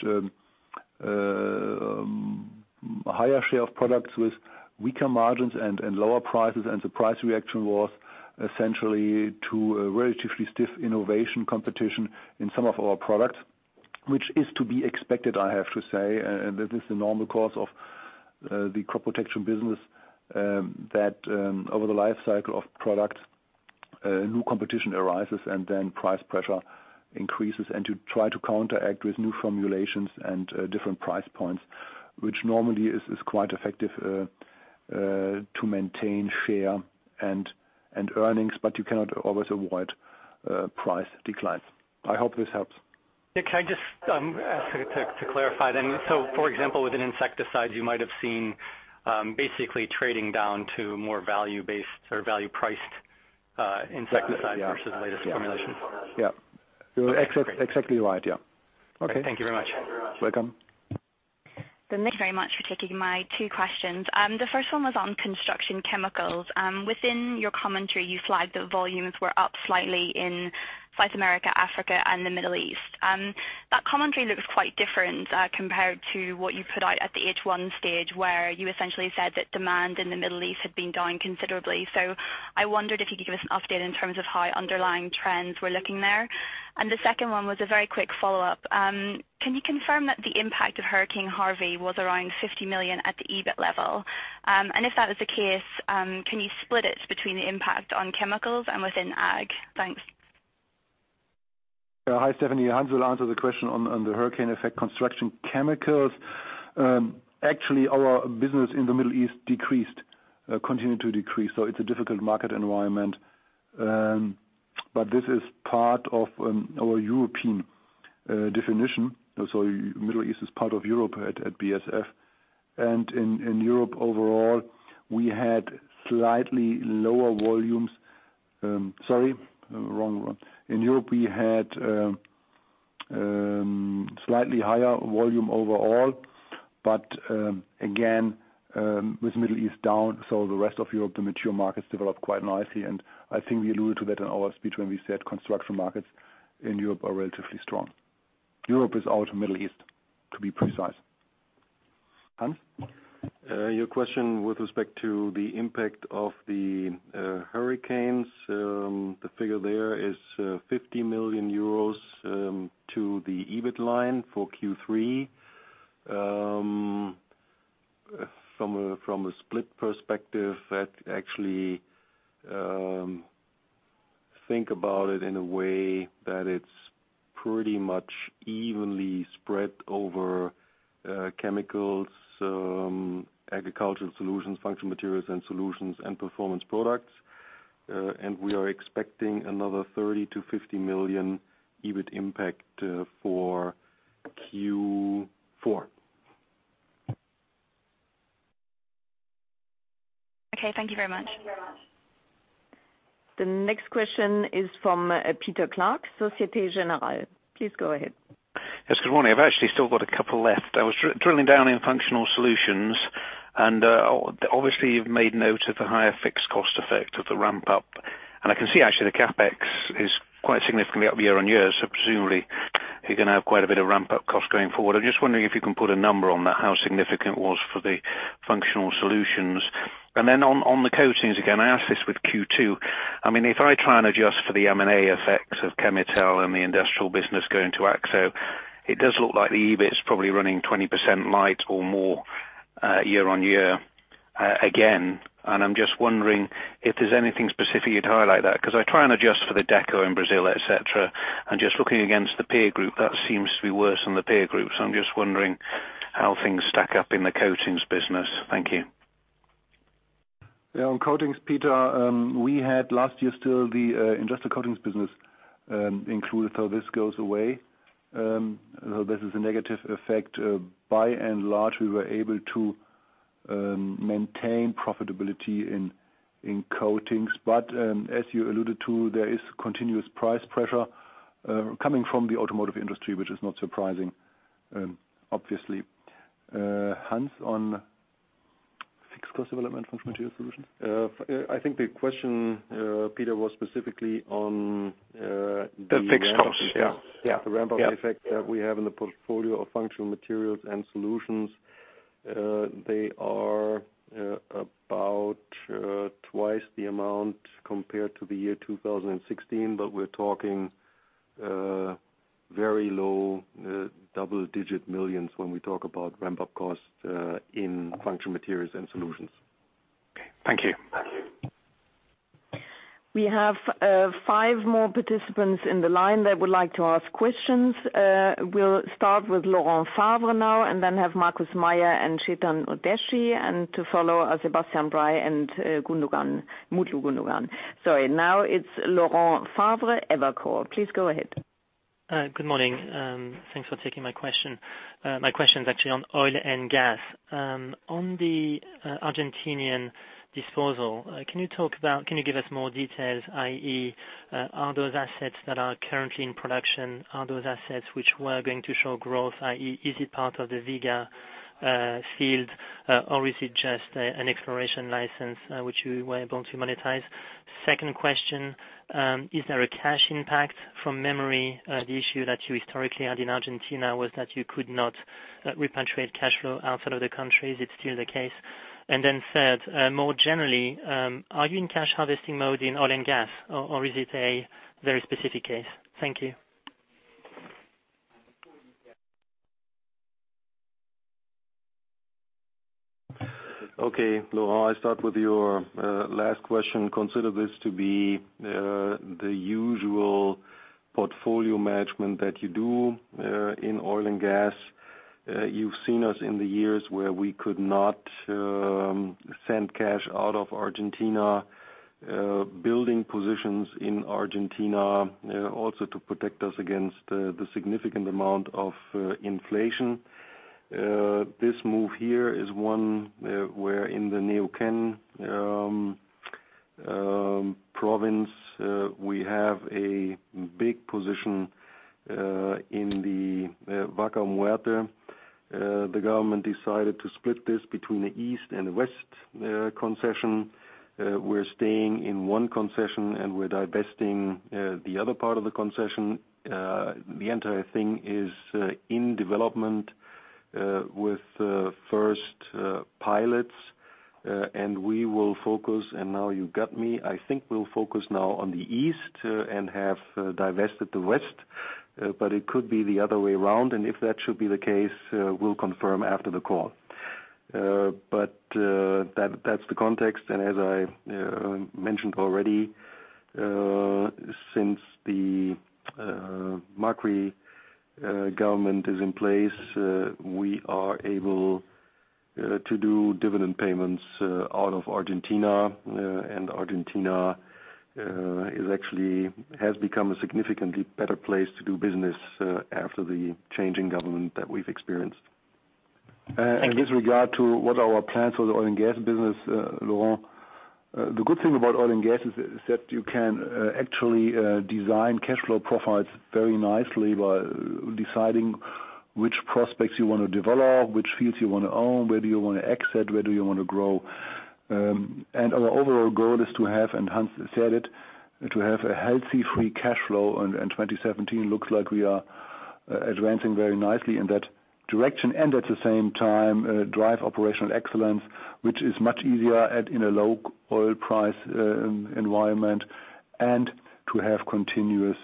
a higher share of products with weaker margins and lower prices. The price reaction was essentially to a relatively stiff innovation competition in some of our products, which is to be expected, I have to say. That is the normal course of the crop protection business, that over the life cycle of product, new competition arises and then price pressure increases and to try to counteract with new formulations and different price points, which normally is quite effective to maintain share and earnings, but you cannot always avoid price declines. I hope this helps. Yeah. Can I just ask to clarify then? For example, with an insecticide you might have seen, basically trading down to more value-based or value priced, insecticide. Yeah. versus latest formulation. Yeah. You're exactly right. Yeah. Okay. Thank you very much. Welcome. Thanks very much for taking my two questions. The first one was on construction chemicals. Within your commentary, you flagged that volumes were up slightly in South America, Africa, and the Middle East. That commentary looks quite different compared to what you put out at the H1 stage, where you essentially said that demand in the Middle East had been down considerably. I wondered if you could give us an update in terms of how underlying trends were looking there. The second one was a very quick follow-up. Can you confirm that the impact of Hurricane Harvey was around 50 million at the EBIT level? And if that was the case, can you split it between the impact on chemicals and within ag? Thanks. Yeah. Hi, Stephanie. Hans will answer the question on the hurricane effect. Construction chemicals, actually our business in the Middle East decreased, continued to decrease, so it's a difficult market environment. This is part of our European definition. Middle East is part of Europe at BASF. In Europe, we had slightly higher volume overall. Again, with Middle East down, so the rest of Europe, the mature markets developed quite nicely. I think we alluded to that in our speech when we said construction markets in Europe are relatively strong. Europe ex Middle East, to be precise. Hans? Your question with respect to the impact of the hurricanes. The figure there is 50 million euros to the EBIT line for Q3. From a split perspective, that actually think about it in a way that it's pretty much evenly spread over Chemicals, Agricultural Solutions, Functional Materials and Solutions, and Performance Products. We are expecting another 30 million-50 million EBIT impact for Q4. Okay. Thank you very much. The next question is from Peter Clark, Société Générale. Please go ahead. Yes, good morning. I've actually still got a couple left. I was drilling down in functional solutions, and obviously you've made note of the higher fixed cost effect of the ramp up. I can see actually the CapEx is quite significantly up year-on-year. Presumably you're gonna have quite a bit of ramp up cost going forward. I'm just wondering if you can put a number on that, how significant it was for the functional solutions. Then on the coatings, again, I asked this with Q2. I mean, if I try and adjust for the M&A effects of Chemetall and the industrial business going to AkzoNobel, it does look like the EBIT is probably running 20% light or more, year-on-year, again. I'm just wondering if there's anything specific you'd highlight that, 'cause I try and adjust for the Deco in Brazil, et cetera. Just looking against the peer group, that seems to be worse than the peer group. I'm just wondering how things stack up in the coatings business. Thank you. Yeah, on coatings, Peter, we had last year still the industrial coatings business included, so this goes away. This is a negative effect. By and large, we were able to maintain profitability in coatings. As you alluded to, there is continuous price pressure coming from the automotive industry, which is not surprising, obviously. Hans, on fixed cost development from material solutions? I think the question, Peter, was specifically on The fixed costs. Yeah. Yeah. The ramp-up effect that we have in the portfolio of Functional Materials and Solutions. They are about twice the amount compared to the year 2016, but we're talking very low double-digit millions when we talk about ramp-up costs in Functional Materials and Solutions. Thank you. We have five more participants in the line that would like to ask questions. We'll start with Laurent Favre now, and then have Markus Mayer and Chetan Udeshi, and to follow are Sebastian Bray and Mutlu Gundogan. Sorry. Now it's Laurent Favre, Evercore. Please go ahead. Good morning. Thanks for taking my question. My question is actually on oil and gas. On the Argentine disposal, can you give us more details, i.e., are those assets that are currently in production which were going to show growth, i.e., is it part of the Vaca Muerta field or is it just an exploration license which you were able to monetize? Second question, is there a cash impact from memory? The issue that you historically had in Argentina was that you could not repatriate cash flow out of the country. Is it still the case? Third, more generally, are you in cash harvesting mode in oil and gas or is it a very specific case? Thank you. Okay, Laurent, I start with your last question. Consider this to be the usual portfolio management that you do in oil and gas. You've seen us in the years where we could not send cash out of Argentina building positions in Argentina to protect us against the significant amount of inflation. This move here is one where in the Neuquén province we have a big position in the Vaca Muerta. The government decided to split this between the east and west concession. We're staying in one concession, and we're divesting the other part of the concession. The entire thing is in development with first pilots and we will focus, and now you got me. I think we'll focus now on the east and have divested the west, but it could be the other way around, and if that should be the case, we'll confirm after the call. That's the context. As I mentioned already, since the Macri government is in place, we are able to do dividend payments out of Argentina. Argentina has become a significantly better place to do business after the change in government that we've experienced. Thank you. In this regard to what our plans for the oil and gas business, Laurent, the good thing about oil and gas is that you can actually design cash flow profiles very nicely by deciding which prospects you wanna develop, which fields you wanna own, whether you wanna exit, whether you want to grow. Our overall goal is to have, and Hans Engel said it, to have a healthy free cash flow in 2017. Looks like we are advancing very nicely in that direction. At the same time, drive operational excellence, which is much easier in a low oil price environment, and to have continuous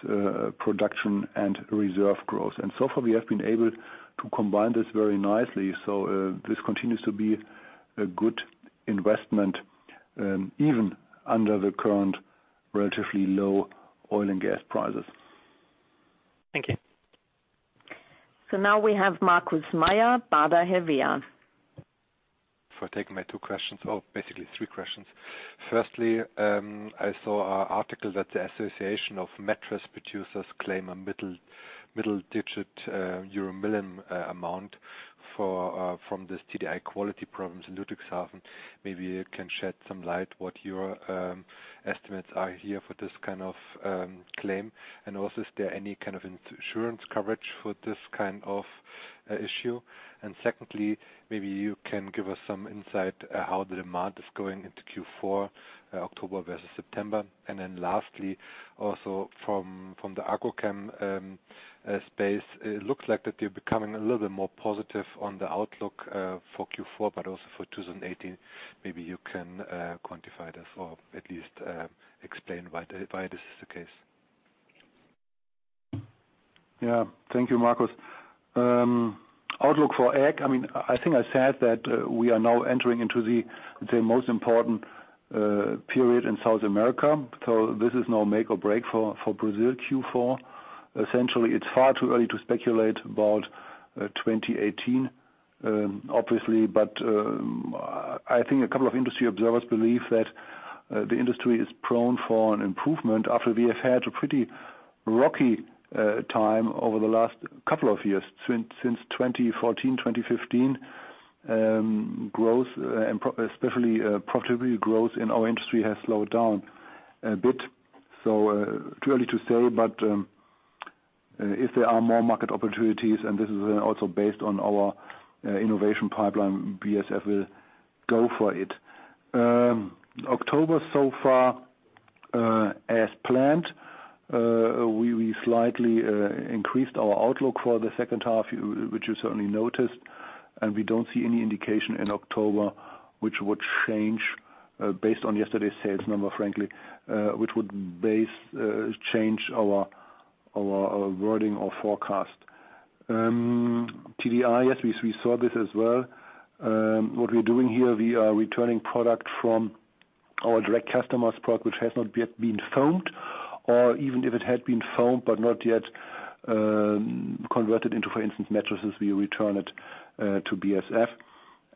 production and reserve growth. So far, we have been able to combine this very nicely. This continues to be a good investment, even under the current relatively low oil and gas prices. Thank you. Now we have Markus Mayer, Baader Helvea. for taking my two questions. Well, basically three questions. Firstly, I saw an article that the European Bedding Industries' Association claim a mid double-digit euro million amount from this TDI quality problems in Ludwigshafen. Maybe you can shed some light what your estimates are here for this kind of claim. Also, is there any kind of insurance coverage for this kind of issue? Secondly, maybe you can give us some insight how the demand is going into Q4, October versus September. Then lastly, also from the agrochemical space, it looks like that you are becoming a little bit more positive on the outlook for Q4, but also for 2018. Maybe you can quantify this or at least explain why this is the case. Yeah. Thank you, Markus. Outlook for Ag, I mean, I think I said that, we are now entering into the most important period in South America. This is now make or break for Brazil Q4. Essentially, it's far too early to speculate about 2018, obviously, but I think a couple of industry observers believe that the industry is poised for an improvement after we have had a pretty rocky time over the last couple of years. Since 2014, 2015, growth and especially profitability growth in our industry has slowed down a bit. Too early to say, but if there are more market opportunities, and this is also based on our innovation pipeline, BASF will go for it. October so far, as planned, we slightly increased our outlook for the second half, which you certainly noticed, and we don't see any indication in October which would change, based on yesterday's sales number, frankly, which would change our wording or forecast. TDI, yes, we saw this as well. What we're doing here, we are returning product from our direct customers, product which has not yet been foamed, or even if it had been foamed but not yet converted into, for instance, mattresses, we return it to BASF,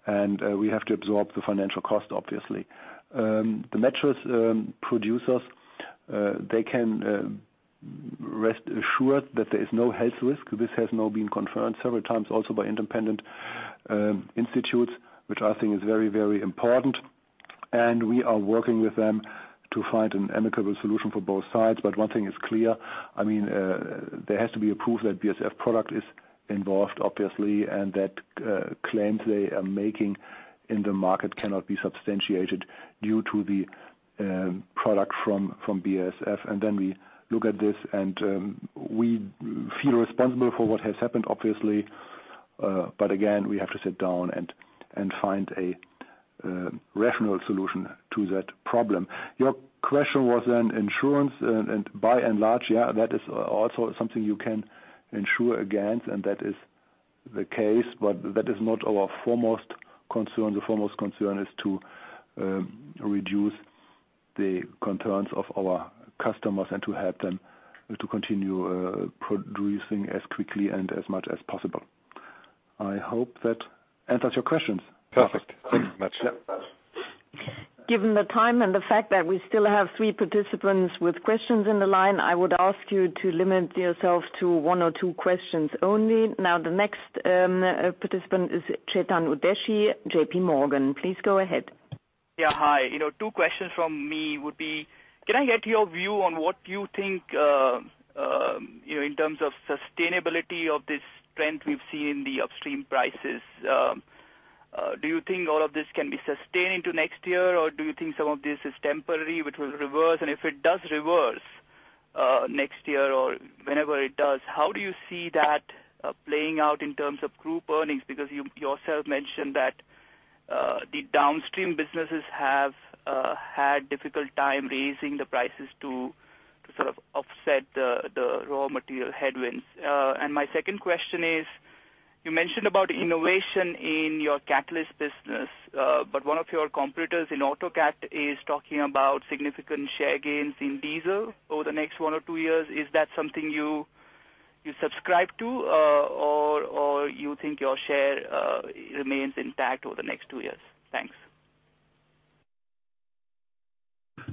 and we have to absorb the financial cost, obviously. The mattress producers, they can rest assured that there is no health risk. This has now been confirmed several times also by independent institutes, which I think is very, very important. We are working with them to find an amicable solution for both sides. One thing is clear, I mean, there has to be a proof that BASF product is involved, obviously, and that claims they are making in the market cannot be substantiated due to the product from BASF. We look at this and we feel responsible for what has happened, obviously. Again, we have to sit down and find a rational solution to that problem. Your question was on insurance and by and large, yeah, that is also something you can insure against, and that is the case, but that is not our foremost concern. The foremost concern is to reduce the concerns of our customers and to help them to continue producing as quickly and as much as possible. I hope that answers your questions. Perfect. Thanks very much. Yeah. Given the time and the fact that we still have three participants with questions in the line, I would ask you to limit yourself to one or two questions only. Now, the next participant is Chetan Udeshi, JPMorgan. Please go ahead. Yeah. Hi. You know, two questions from me would be, can I get your view on what you think, you know, in terms of sustainability of this trend we've seen in the upstream prices? Do you think all of this can be sustained into next year, or do you think some of this is temporary, which will reverse? And if it does reverse, next year or whenever it does, how do you see that, playing out in terms of group earnings? Because you yourself mentioned that, the downstream businesses have had difficult time raising the prices to sort of offset the raw material headwinds. And my second question is, you mentioned about innovation in your catalyst business, but one of your competitors in AutoCat is talking about significant share gains in diesel over the next one or two years. Is that something you subscribe to, or you think your share remains intact over the next two years? Thanks.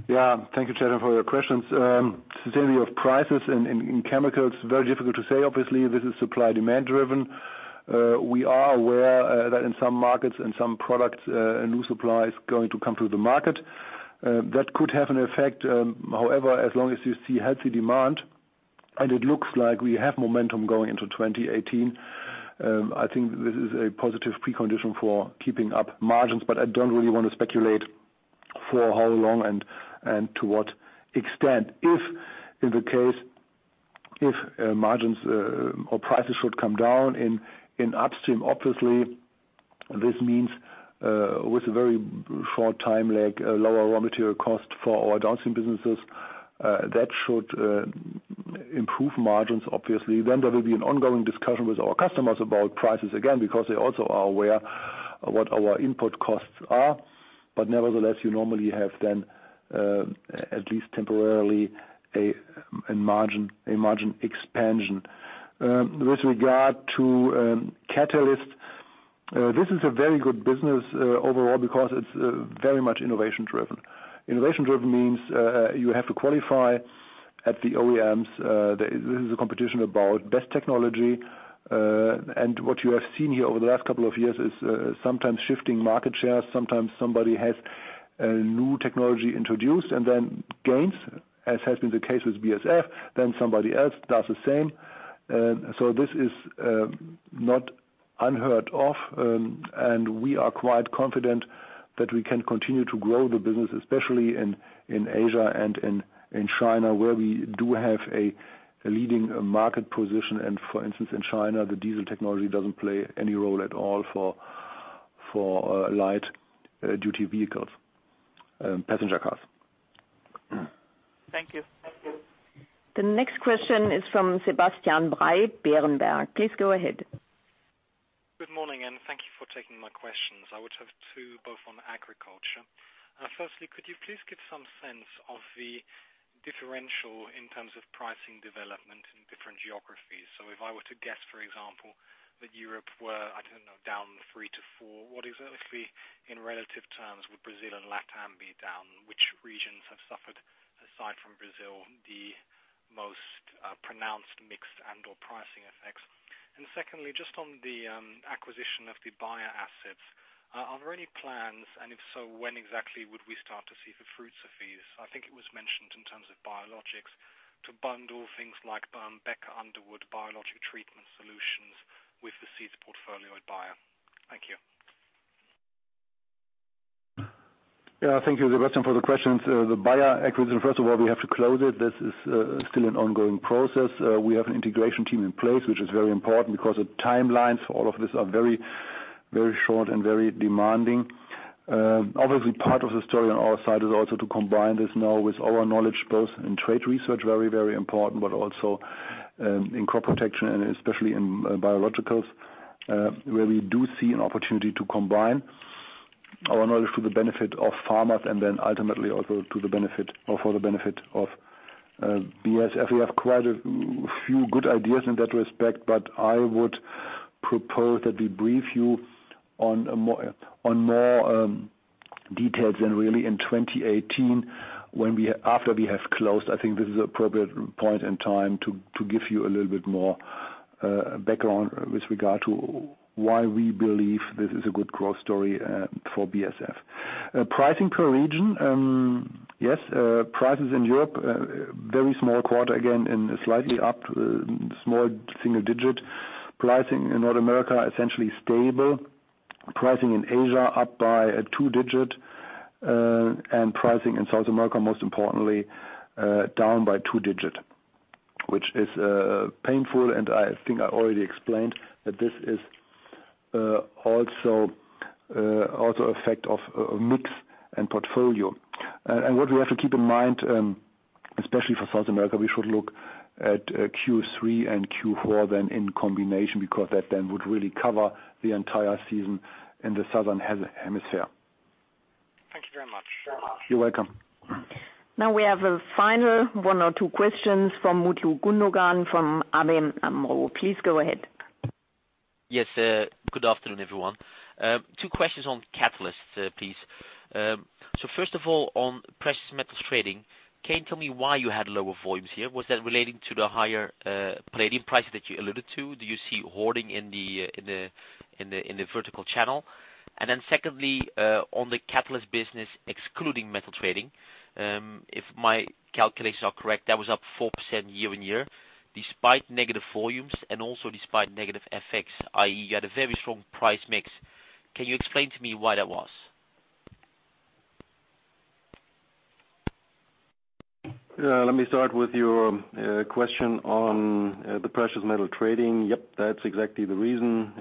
Yeah. Thank you, Chetan, for your questions. Sustainability of prices in chemicals, very difficult to say. Obviously, this is supply/demand driven. We are aware that in some markets and some products, a new supply is going to come to the market. That could have an effect, however, as long as you see healthy demand, and it looks like we have momentum going into 2018, I think this is a positive precondition for keeping up margins, but I don't really want to speculate for how long and to what extent. If margins or prices should come down in upstream, obviously this means, with a very short time lag, a lower raw material cost for our downstream businesses. That should improve margins, obviously. There will be an ongoing discussion with our customers about prices again, because they also are aware what our input costs are. Nevertheless, you normally have then at least temporarily a margin expansion. With regard to catalyst, this is a very good business overall because it's very much innovation-driven. Innovation-driven means you have to qualify at the OEMs. This is a competition about best technology. And what you have seen here over the last couple of years is sometimes shifting market shares. Sometimes somebody has a new technology introduced and then gains, as has been the case with BASF, then somebody else does the same. This is not unheard of, and we are quite confident that we can continue to grow the business, especially in Asia and in China, where we do have a leading market position. For instance, in China, the diesel technology doesn't play any role at all for light duty vehicles, passenger cars. Thank you. The next question is from Sebastian Bray, Berenberg. Please go ahead. Good morning and thanks for taking my questions. I would have two, both on agriculture. Firstly, could you please give some sense of the differential in terms of pricing development in different geographies? So if I were to guess, for example, that Europe were, I don't know, down 3%-4%. What exactly in relative terms would Brazil and LATAM be down? Which regions have suffered, aside from Brazil, the most pronounced mixed and/or pricing effects? And secondly, just on the acquisition of the Bayer assets. Are there any plans, and if so, when exactly would we start to see the fruits of these? I think it was mentioned in terms of biologics to bundle things like Becker Underwood biologic treatment solutions with the seeds portfolio Bayer. Thank you. Yeah. Thank you, Sebastian, for the questions. The Bayer acquisition, first of all, we have to close it. This is still an ongoing process. We have an integration team in place, which is very important because the timelines for all of this are very, very short and very demanding. Obviously part of the story on our side is also to combine this now with our knowledge both in trait research, very, very important, but also in crop protection and especially in biologicals, where we do see an opportunity to combine our knowledge for the benefit of farmers and then ultimately also to the benefit or for the benefit of BASF. We have quite a few good ideas in that respect, but I would propose that we brief you on more details and really in 2018 after we have closed. I think this is an appropriate point in time to give you a little bit more background with regard to why we believe this is a good growth story for BASF. Pricing per region. Yes, prices in Europe very small quarter again and slightly up small single-digit. Pricing in North America, essentially stable. Pricing in Asia up by a two-digit and pricing in South America, most importantly, down by two-digit, which is painful, and I think I already explained that this is also effect of mix and portfolio. What we have to keep in mind, especially for South America, we should look at Q3 and Q4 then in combination because that then would really cover the entire season in the southern hemisphere. Thank you very much. You're welcome. Now we have a final one or two questions from Mutlu Gundogan from ABN AMRO. Please go ahead. Yes. Good afternoon, everyone. Two questions on catalysts, please. First of all, on precious metals trading, can you tell me why you had lower volumes here? Was that relating to the higher palladium price that you alluded to? Do you see hoarding in the vertical channel? Then secondly, on the catalyst business excluding metal trading, if my calculations are correct, that was up 4% year-on-year, despite negative volumes and also despite negative FX, i.e., you had a very strong price mix. Can you explain to me why that was? Yeah. Let me start with your question on the precious metal trading. Yep, that's exactly the reason.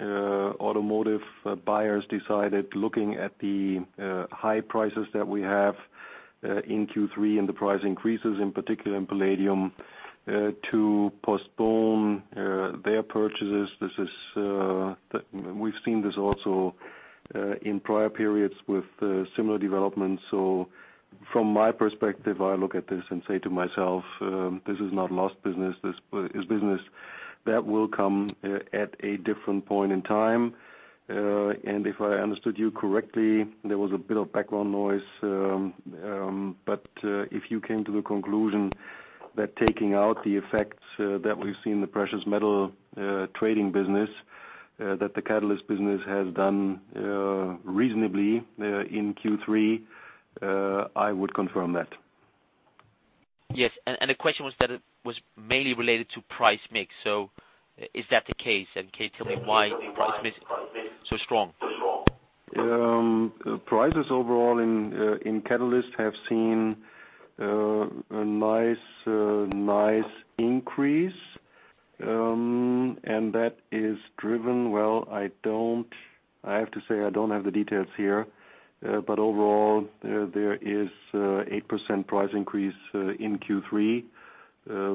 Automotive buyers decided looking at the high prices that we have in Q3 and the price increases, in particular in palladium, to postpone their purchases. This is, we've seen this also in prior periods with similar developments. From my perspective, I look at this and say to myself, "This is not lost business. This is business that will come at a different point in time." If I understood you correctly, there was a bit of background noise, but if you came to the conclusion that taking out the effects that we've seen in the precious metal trading business, that the catalyst business has done reasonably in Q3, I would confirm that. Yes. The question was that it was mainly related to price mix. Is that the case? Can you tell me why price mix so strong? Prices overall in catalysts have seen a nice increase. That is driven, well, I have to say I don't have the details here. Overall there is 8% price increase in Q3,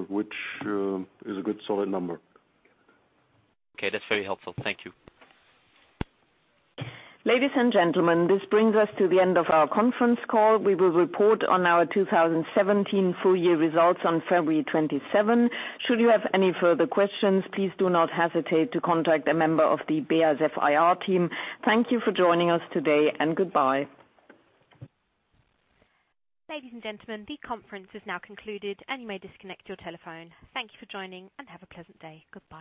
which is a good solid number. Okay. That's very helpful. Thank you. Ladies and gentlemen, this brings us to the end of our conference call. We will report on our 2017 full year results on February 27th. Should you have any further questions, please do not hesitate to contact a member of the BASF IR team. Thank you for joining us today, and goodbye. Ladies and gentlemen, the conference is now concluded, and you may disconnect your telephone. Thank you for joining, and have a pleasant day. Goodbye.